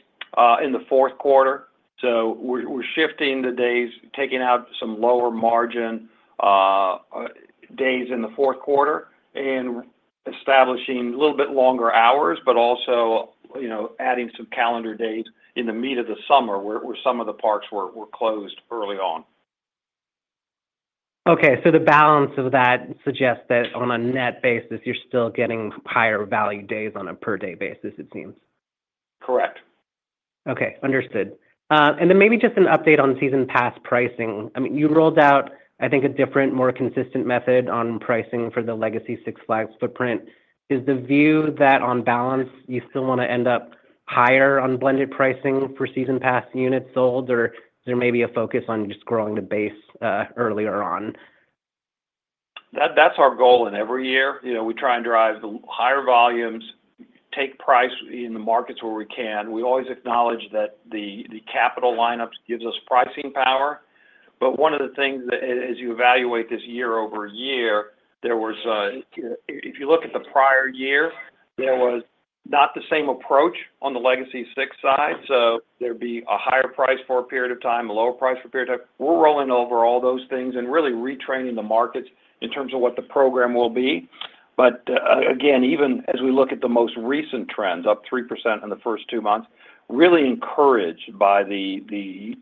in the fourth quarter. So we're shifting the days, taking out some lower margin days in the fourth quarter and establishing a little bit longer hours, but also adding some calendar days in the meat of the summer where some of the parks were closed early on.
Okay. So the balance of that suggests that on a net basis, you're still getting higher value days on a per-day basis, it seems.
Correct.
Okay. Understood. And then maybe just an update on season pass pricing. I mean, you rolled out, I think, a different, more consistent method on pricing for the legacy Six Flags footprint. Is the view that on balance, you still want to end up higher on blended pricing for season pass units sold, or is there maybe a focus on just growing the base earlier on?
That's our goal in every year. We try and drive the higher volumes, take price in the markets where we can. We always acknowledge that the capital lineup gives us pricing power. But one of the things that, as you evaluate this year over year, if you look at the prior year, there was not the same approach on the legacy Six side. So there'd be a higher price for a period of time, a lower price for a period of time. We're rolling over all those things and really retraining the markets in terms of what the program will be. But again, even as we look at the most recent trends, up 3% in the first two months, really encouraged by the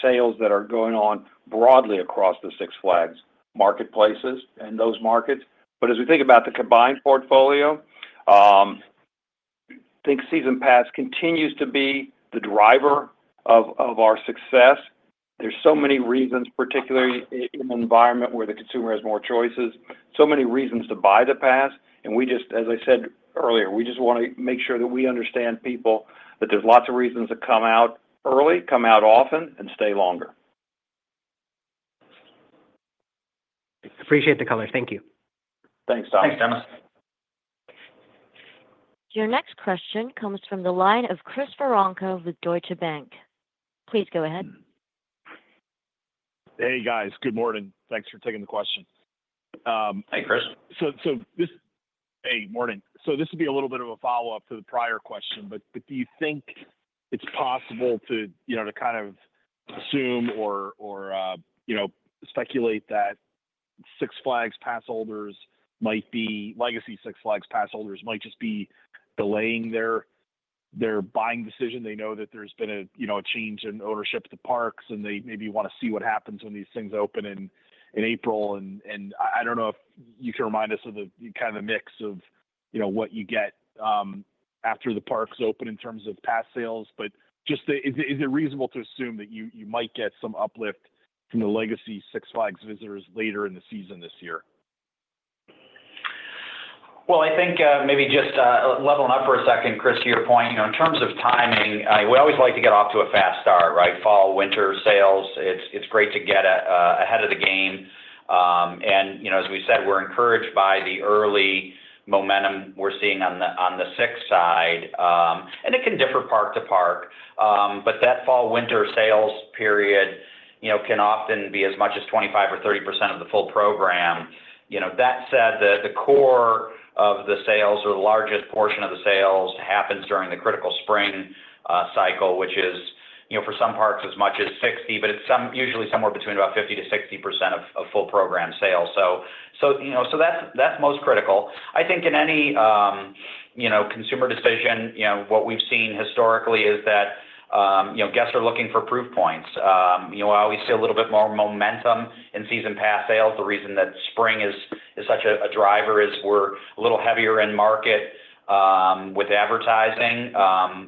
sales that are going on broadly across the Six Flags marketplaces and those markets. But as we think about the combined portfolio, I think season pass continues to be the driver of our success. There's so many reasons, particularly in an environment where the consumer has more choices, so many reasons to buy the pass. And as I said earlier, we just want to make sure that we understand people, that there's lots of reasons to come out early, come out often, and stay longer.
Appreciate the color. Thank you.
Thanks, Thomas.
Thanks, Thomas.
Your next question comes from the line of Chris Woronka with Deutsche Bank. Please go ahead.
Hey, guys. Good morning. Thanks for taking the question.
Hey, Chris.
So this, hey, morning. So this would be a little bit of a follow-up to the prior question, but do you think it is possible to kind of assume or speculate that Six Flags pass holders might be, legacy Six Flags pass holders might just be delaying their buying decision? They know that there has been a change in ownership of the parks, and they maybe want to see what happens when these things open in April. And I do not know if you can remind us of the kind of mix of what you get after the parks open in terms of pass sales, but just is it reasonable to assume that you might get some uplift from the legacy Six Flags visitors later in the season this year?
Well, I think maybe just leveling up for a second, Chris, to your point. In terms of timing, we always like to get off to a fast start, right? Fall, winter sales, it's great to get ahead of the game, and as we said, we're encouraged by the early momentum we're seeing on the Six side, and it can differ park to park, but that fall-winter sales period can often be as much as 25% or 30% of the full program. That said, the core of the sales or the largest portion of the sales happens during the critical spring cycle, which is for some parks as much as 60%, but it's usually somewhere between about 50%-60% of full program sales, so that's most critical. I think in any consumer decision, what we've seen historically is that guests are looking for proof points. We always see a little bit more momentum in season pass sales. The reason that spring is such a driver is we're a little heavier in market with advertising.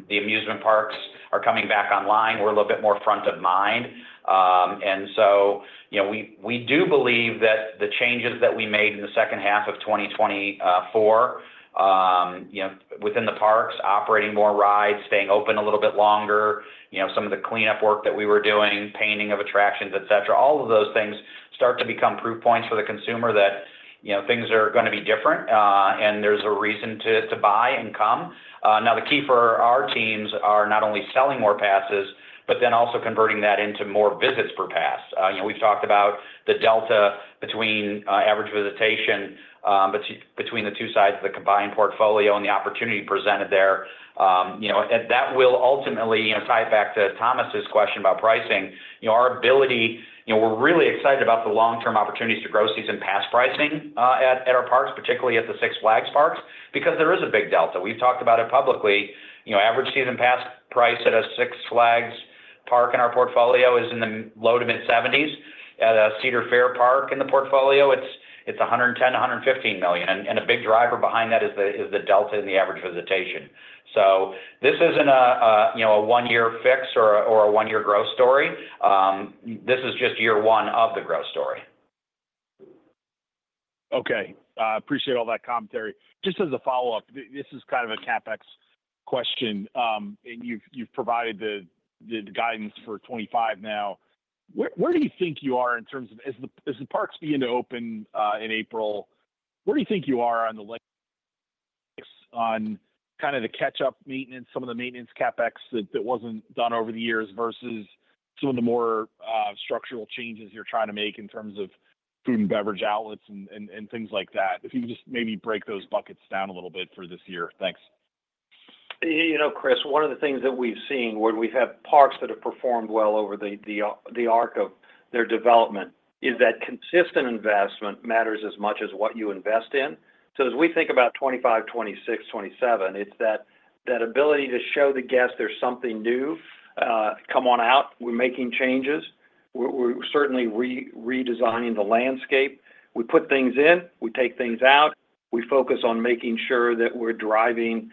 The amusement parks are coming back online. We're a little bit more front of mind. And so we do believe that the changes that we made in the second half of 2024 within the parks, operating more rides, staying open a little bit longer, some of the cleanup work that we were doing, painting of attractions, etc., all of those things start to become proof points for the consumer that things are going to be different and there's a reason to buy and come. Now, the key for our teams are not only selling more passes, but then also converting that into more visits per pass. We've talked about the delta between average visitation between the two sides of the combined portfolio and the opportunity presented there. That will ultimately tie it back to Thomas's question about pricing. Our ability—we're really excited about the long-term opportunities to grow season pass pricing at our parks, particularly at the Six Flags parks, because there is a big delta. We've talked about it publicly. Average season pass price at a Six Flags park in our portfolio is in the low- to mid-$70s. At a Cedar Fair park in the portfolio, it's $110-$115. And a big driver behind that is the delta in the average visitation. So this isn't a one-year fix or a one-year growth story. This is just year one of the growth story.
Okay. I appreciate all that commentary. Just as a follow-up, this is kind of a CapEx question, and you've provided the guidance for '25 now. Where do you think you are in terms of, as the parks begin to open in April, where do you think you are on the legacy Six, on kind of the catch-up maintenance, some of the maintenance CapEx that wasn't done over the years versus some of the more structural changes you're trying to make in terms of food and beverage outlets and things like that? If you could just maybe break those buckets down a little bit for this year. Thanks.
You know, Chris, one of the things that we've seen when we've had parks that have performed well over the arc of their development is that consistent investment matters as much as what you invest in. So as we think about 2025, 2026, 2027, it's that ability to show the guests there's something new, come on out. We're making changes. We're certainly redesigning the landscape. We put things in, we take things out. We focus on making sure that we're driving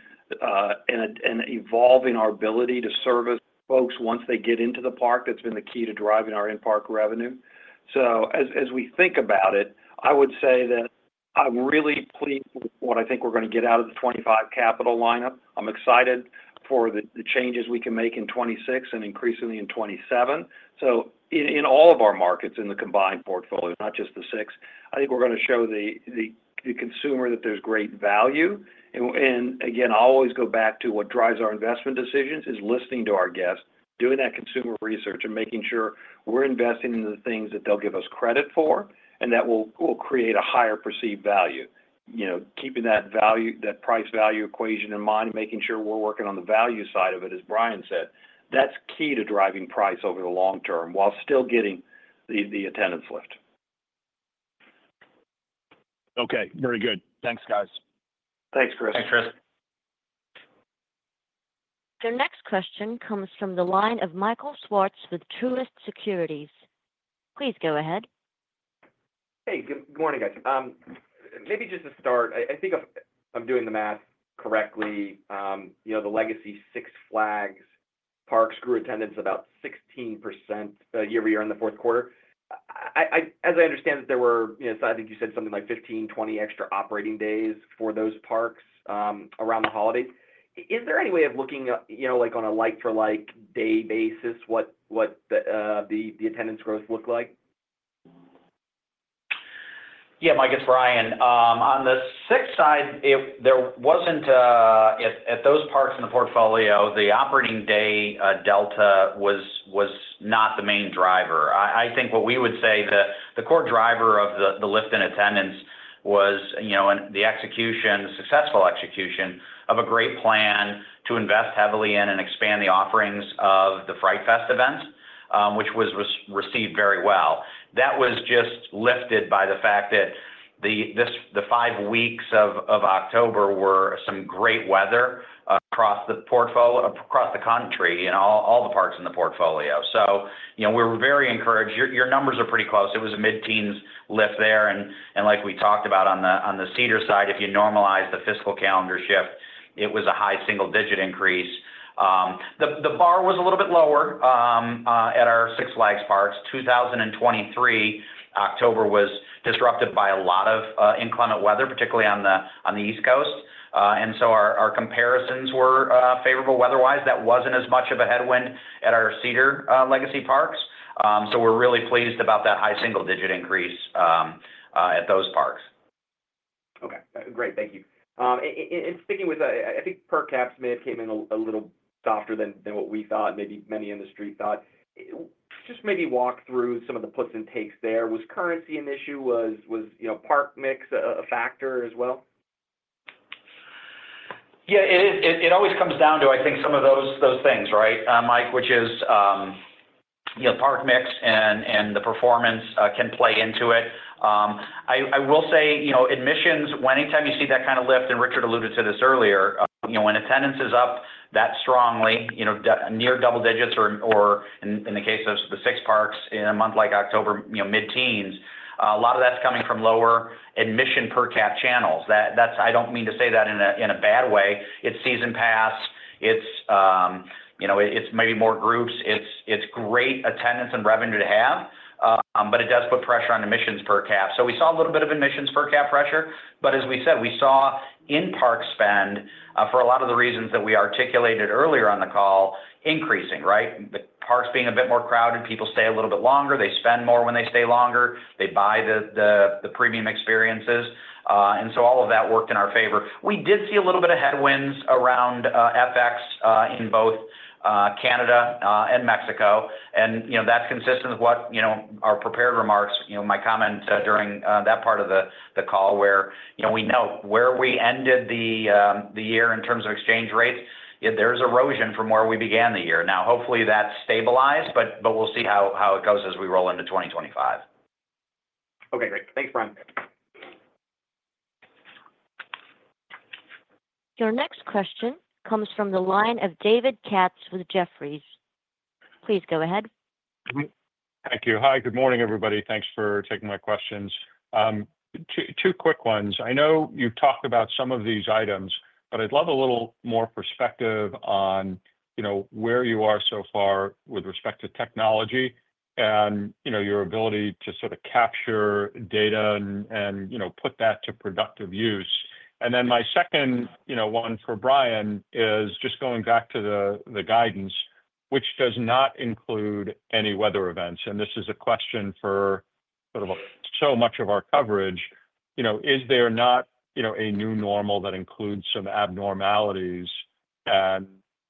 and evolving our ability to service folks once they get into the park. That's been the key to driving our in-park revenue. So as we think about it, I would say that I'm really pleased with what I think we're going to get out of the 2025 capital lineup. I'm excited for the changes we can make in 2026 and increasingly in 2027. So in all of our markets in the combined portfolio, not just the Six, I think we're going to show the consumer that there's great value. And again, I always go back to what drives our investment decisions is listening to our guests, doing that consumer research, and making sure we're investing in the things that they'll give us credit for and that will create a higher perceived value. Keeping that price-value equation in mind, making sure we're working on the value side of it, as Brian said, that's key to driving price over the long term while still getting the attendance lift.
Okay. Very good. Thanks, guys.
Thanks, Chris.
Thanks, Chris.
Your next question comes from the line of Michael Swartz with Truist Securities. Please go ahead.
Hey, good morning, guys. Maybe just to start, I think if I'm doing the math correctly, the legacy Six Flags parks grew attendance about 16% year-to-year in the fourth quarter. As I understand that there were—so I think you said something like 15-20 extra operating days for those parks around the holidays. Is there any way of looking on a like-for-like day basis what the attendance growth looked like? .
Yeah, Mike, it's Brian. On the Six side, there wasn't, at those parks in the portfolio, the operating day delta was not the main driver. I think what we would say the core driver of the lift in attendance was the execution, the successful execution of a great plan to invest heavily in and expand the offerings of the Fright Fest events, which was received very well. That was just lifted by the fact that the five weeks of October were some great weather across the country and all the parks in the portfolio. So we were very encouraged. Your numbers are pretty close. It was a mid-teens lift there. And like we talked about on the Cedar side, if you normalize the fiscal calendar shift, it was a high single-digit increase. The bar was a little bit lower at our Six Flags parks. 2023, October was disrupted by a lot of inclement weather, particularly on the East Coast, and so our comparisons were favorable weather-wise. That wasn't as much of a headwind at our Cedar legacy parks, so we're really pleased about that high single-digit increase at those parks.
Okay. Great. Thank you. And speaking with that, I think per capita may have came in a little softer than what we thought, maybe many in the street thought. Just maybe walk through some of the puts and takes there. Was currency an issue? Was park mix a factor as well?
Yeah. It always comes down to, I think, some of those things, right, Mike, which is park mix and the performance can play into it. I will say admissions, anytime you see that kind of lift, and Richard alluded to this earlier, when attendance is up that strongly, near double digits, or in the case of the Six parks in a month like October, mid-teens, a lot of that's coming from lower admission per cap channels. I don't mean to say that in a bad way. It's season pass. It's maybe more groups. It's great attendance and revenue to have, but it does put pressure on admissions per cap. So we saw a little bit of admissions per cap pressure. But as we said, we saw in-park spend for a lot of the reasons that we articulated earlier on the call, increasing, right? Parks being a bit more crowded, people stay a little bit longer, they spend more when they stay longer, they buy the premium experiences, and so all of that worked in our favor. We did see a little bit of headwinds around FX in both Canada and Mexico. And that's consistent with what our prepared remarks, my comments during that part of the call, where we note where we ended the year in terms of exchange rates, there's erosion from where we began the year. Now, hopefully, that's stabilized, but we'll see how it goes as we roll into 2025.
Okay. Great. Thanks, Brian.
Your next question comes from the line of David Katz with Jefferies. Please go ahead.
Thank you. Hi, good morning, everybody. Thanks for taking my questions. Two quick ones. I know you've talked about some of these items, but I'd love a little more perspective on where you are so far with respect to technology and your ability to sort of capture data and put that to productive use. And then my second one for Brian is just going back to the guidance, which does not include any weather events. And this is a question for sort of so much of our coverage. Is there not a new normal that includes some abnormalities? And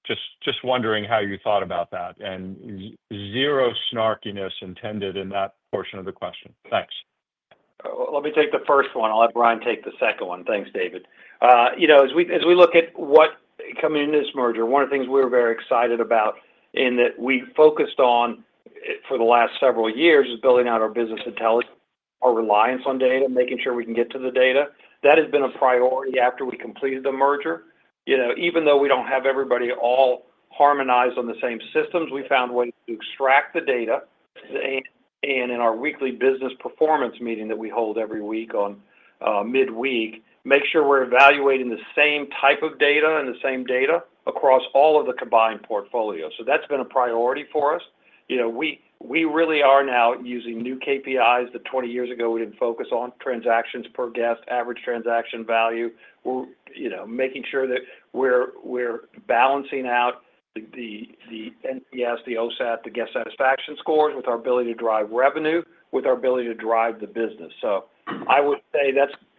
just wondering how you thought about that. And zero snarkiness intended in that portion of the question. Thanks.
Let me take the first one. I'll have Brian take the second one. Thanks, David. As we look at what coming into this merger, one of the things we were very excited about in that we focused on for the last several years is building out our business intelligence, our reliance on data, making sure we can get to the data. That has been a priority after we completed the merger. Even though we don't have everybody all harmonized on the same systems, we found ways to extract the data. And in our weekly business performance meeting that we hold every week on midweek, make sure we're evaluating the same type of data and the same data across all of the combined portfolio. So that's been a priority for us. We really are now using new KPIs that 20 years ago we didn't focus on: transactions per guest, average transaction value. We're making sure that we're balancing out the NPS, the OSAT, the guest satisfaction scores with our ability to drive revenue, with our ability to drive the business. So I would say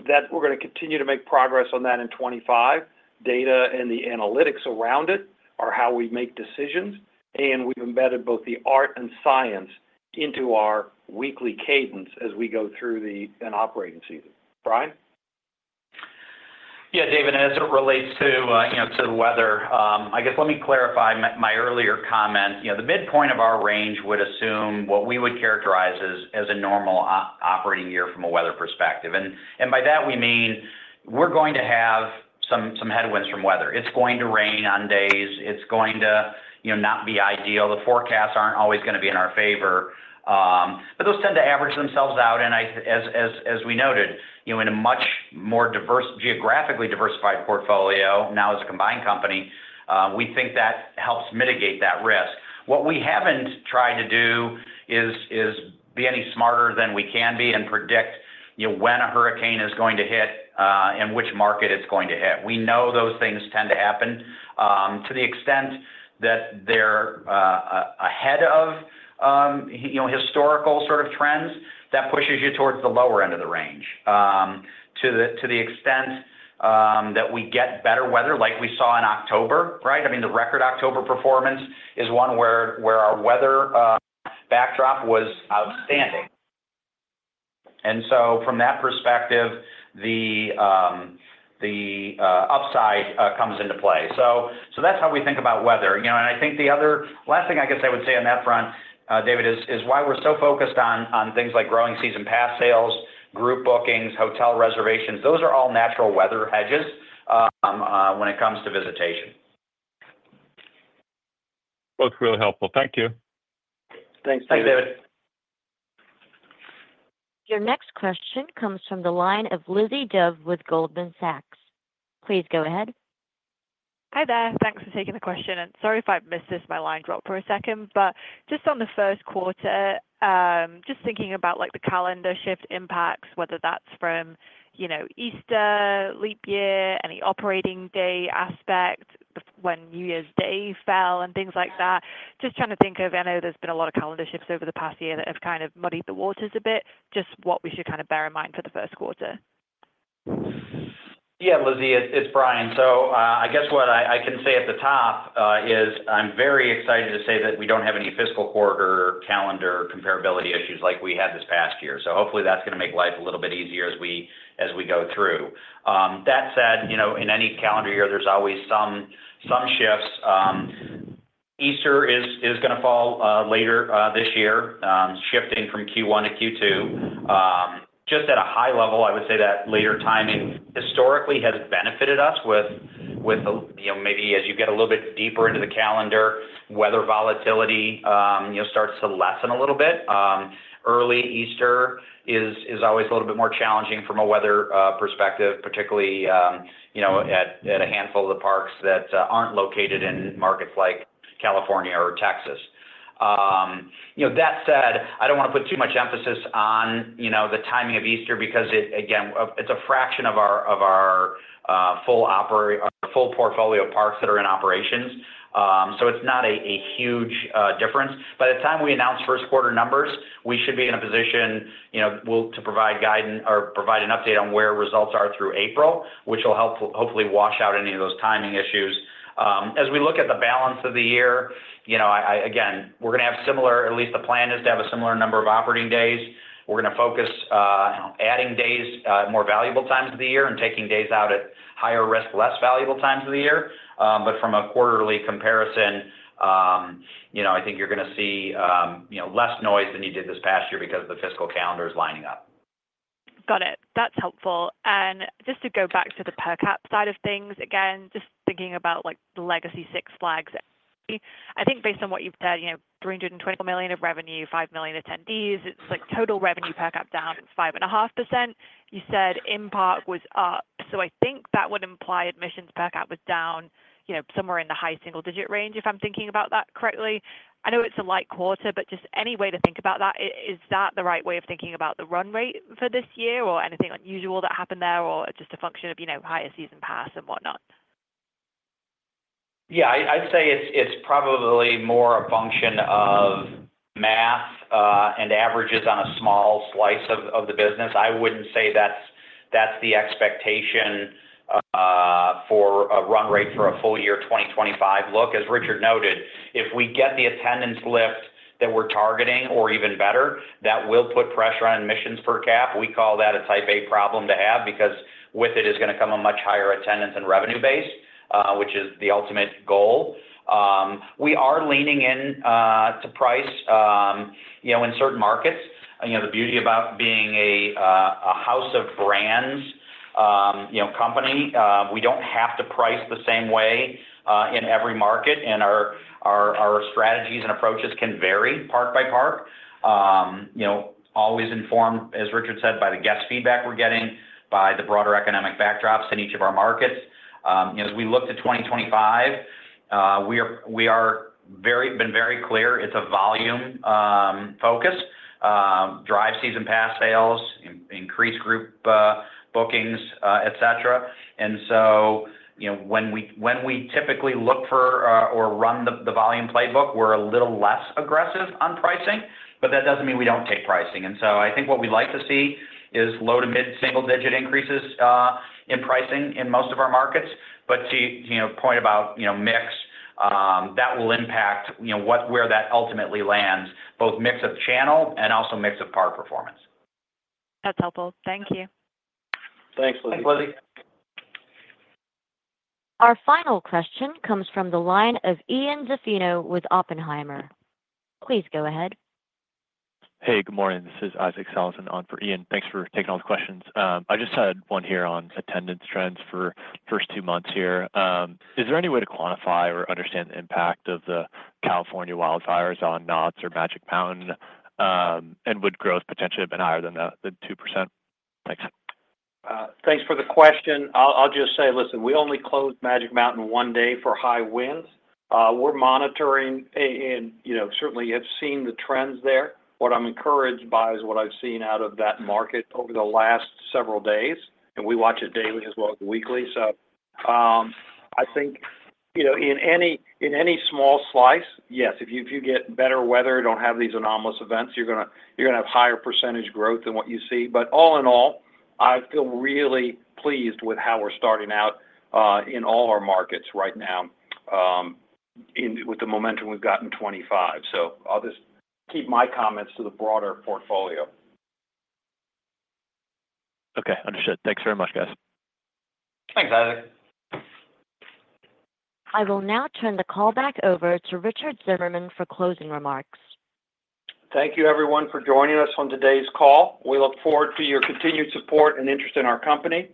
that we're going to continue to make progress on that in 2025. Data and the analytics around it are how we make decisions. We've embedded both the art and science into our weekly cadence as we go through an operating season. Brian?
Yeah, David, as it relates to the weather, I guess let me clarify my earlier comment. The midpoint of our range would assume what we would characterize as a normal operating year from a weather perspective. And by that, we mean we're going to have some headwinds from weather. It's going to rain on days. It's going to not be ideal. The forecasts aren't always going to be in our favor. But those tend to average themselves out. And as we noted, in a much more geographically diversified portfolio, now as a combined company, we think that helps mitigate that risk. What we haven't tried to do is be any smarter than we can be and predict when a hurricane is going to hit and which market it's going to hit. We know those things tend to happen to the extent that they're ahead of historical sort of trends that pushes you towards the lower end of the range. To the extent that we get better weather like we saw in October, right? I mean, the record October performance is one where our weather backdrop was outstanding. And so from that perspective, the upside comes into play. So that's how we think about weather. And I think the other last thing I guess I would say on that front, David, is why we're so focused on things like growing season pass sales, group bookings, hotel reservations. Those are all natural weather hedges when it comes to visitation.
Well, it's really helpful. Thank you.
Thanks.
Thanks, David.
Your next question comes from the line of Lizzie Dove with Goldman Sachs. Please go ahead.
Hi there. Thanks for taking the question. And sorry if I've missed this. My line dropped for a second. But just on the first quarter, just thinking about the calendar shift impacts, whether that's from Easter, leap year, any operating day aspect, when New Year's Day fell, and things like that. Just trying to think of, I know there's been a lot of calendar shifts over the past year that have kind of muddied the waters a bit. Just what we should kind of bear in mind for the first quarter.
Yeah, Lizzie, it's Brian. So I guess what I can say at the top is I'm very excited to say that we don't have any fiscal quarter calendar comparability issues like we had this past year. So hopefully, that's going to make life a little bit easier as we go through. That said, in any calendar year, there's always some shifts. Easter is going to fall later this year, shifting from Q1 to Q2. Just at a high level, I would say that later timing historically has benefited us with maybe as you get a little bit deeper into the calendar, weather volatility starts to lessen a little bit. Early Easter is always a little bit more challenging from a weather perspective, particularly at a handful of the parks that aren't located in markets like California or Texas. That said, I don't want to put too much emphasis on the timing of Easter because, again, it's a fraction of our full portfolio of parks that are in operations. So it's not a huge difference. By the time we announce first quarter numbers, we should be in a position to provide guidance or provide an update on where results are through April, which will help hopefully wash out any of those timing issues. As we look at the balance of the year, again, we're going to have similar, at least the plan is to have a similar number of operating days. We're going to focus on adding days, more valuable times of the year, and taking days out at higher risk, less valuable times of the year. But from a quarterly comparison, I think you're going to see less noise than you did this past year because the fiscal calendar is lining up.
Got it. That's helpful. And just to go back to the per cap side of things, again, just thinking about the legacy Six Flags, I think based on what you've said, $324 million of revenue, 5 million attendees, total revenue per cap down 5.5%. You said in-park was up. So I think that would imply admissions per cap was down somewhere in the high single-digit range, if I'm thinking about that correctly. I know it's a light quarter, but just any way to think about that, is that the right way of thinking about the run rate for this year or anything unusual that happened there or just a function of higher season pass and whatnot?
Yeah. I'd say it's probably more a function of math and averages on a small slice of the business. I wouldn't say that's the expectation for a run rate for a full year 2025. Look, as Richard noted, if we get the attendance lift that we're targeting or even better, that will put pressure on admissions per cap. We call that a type A problem to have because with it is going to come a much higher attendance and revenue base, which is the ultimate goal. We are leaning in to price in certain markets. The beauty about being a house of brands company, we don't have to price the same way in every market. And our strategies and approaches can vary park by park. Always informed, as Richard said, by the guest feedback we're getting, by the broader economic backdrops in each of our markets. As we look to 2025, we have been very clear. It's a volume focus, drive season pass sales, increase group bookings, etc. And so when we typically look for or run the volume playbook, we're a little less aggressive on pricing, but that doesn't mean we don't take pricing. And so I think what we'd like to see is low to mid-single-digit increases in pricing in most of our markets. But to your point about mix, that will impact where that ultimately lands, both mix of channel and also mix of park performance.
That's helpful. Thank you.
Thanks, Lizzie.
Thanks, Lizzie.
Our final question comes from the line of Ian Zaffino with Oppenheimer. Please go ahead.
Hey, good morning. This is Isaac Sellhausen on for Ian. Thanks for taking all the questions. I just had one here on attendance trends for the first two months here. Is there any way to quantify or understand the impact of the California wildfires on Knott's or Magic Mountain? And would growth potentially have been higher than that, the 2%? Thanks.
Thanks for the question. I'll just say, listen, we only closed Magic Mountain one day for high winds. We're monitoring, and certainly have seen the trends there. What I'm encouraged by is what I've seen out of that market over the last several days. And we watch it daily as well as weekly. So I think in any small slice, yes, if you get better weather, don't have these anomalous events, you're going to have higher percentage growth than what you see. But all in all, I feel really pleased with how we're starting out in all our markets right now with the momentum we've got in 2025. So I'll just keep my comments to the broader portfolio.
Okay. Understood. Thanks very much, guys.
Thanks, Isaac.
I will now turn the call back over to Richard Zimmerman for closing remarks.
Thank you, everyone, for joining us on today's call. We look forward to your continued support and interest in our company.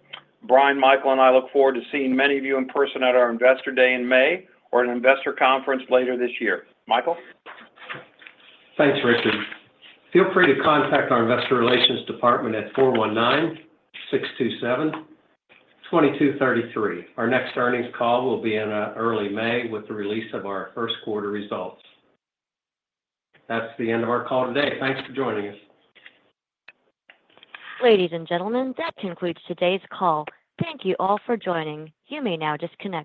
Brian, Michael, and I look forward to seeing many of you in person at our Investor Day in May or an investor conference later this year. Michael?
Thanks, Richard. Feel free to contact our investor relations department at 419-627-2233. Our next earnings call will be in early May with the release of our first quarter results. That's the end of our call today. Thanks for joining us.
Ladies and gentlemen, that concludes today's call. Thank you all for joining. You may now disconnect.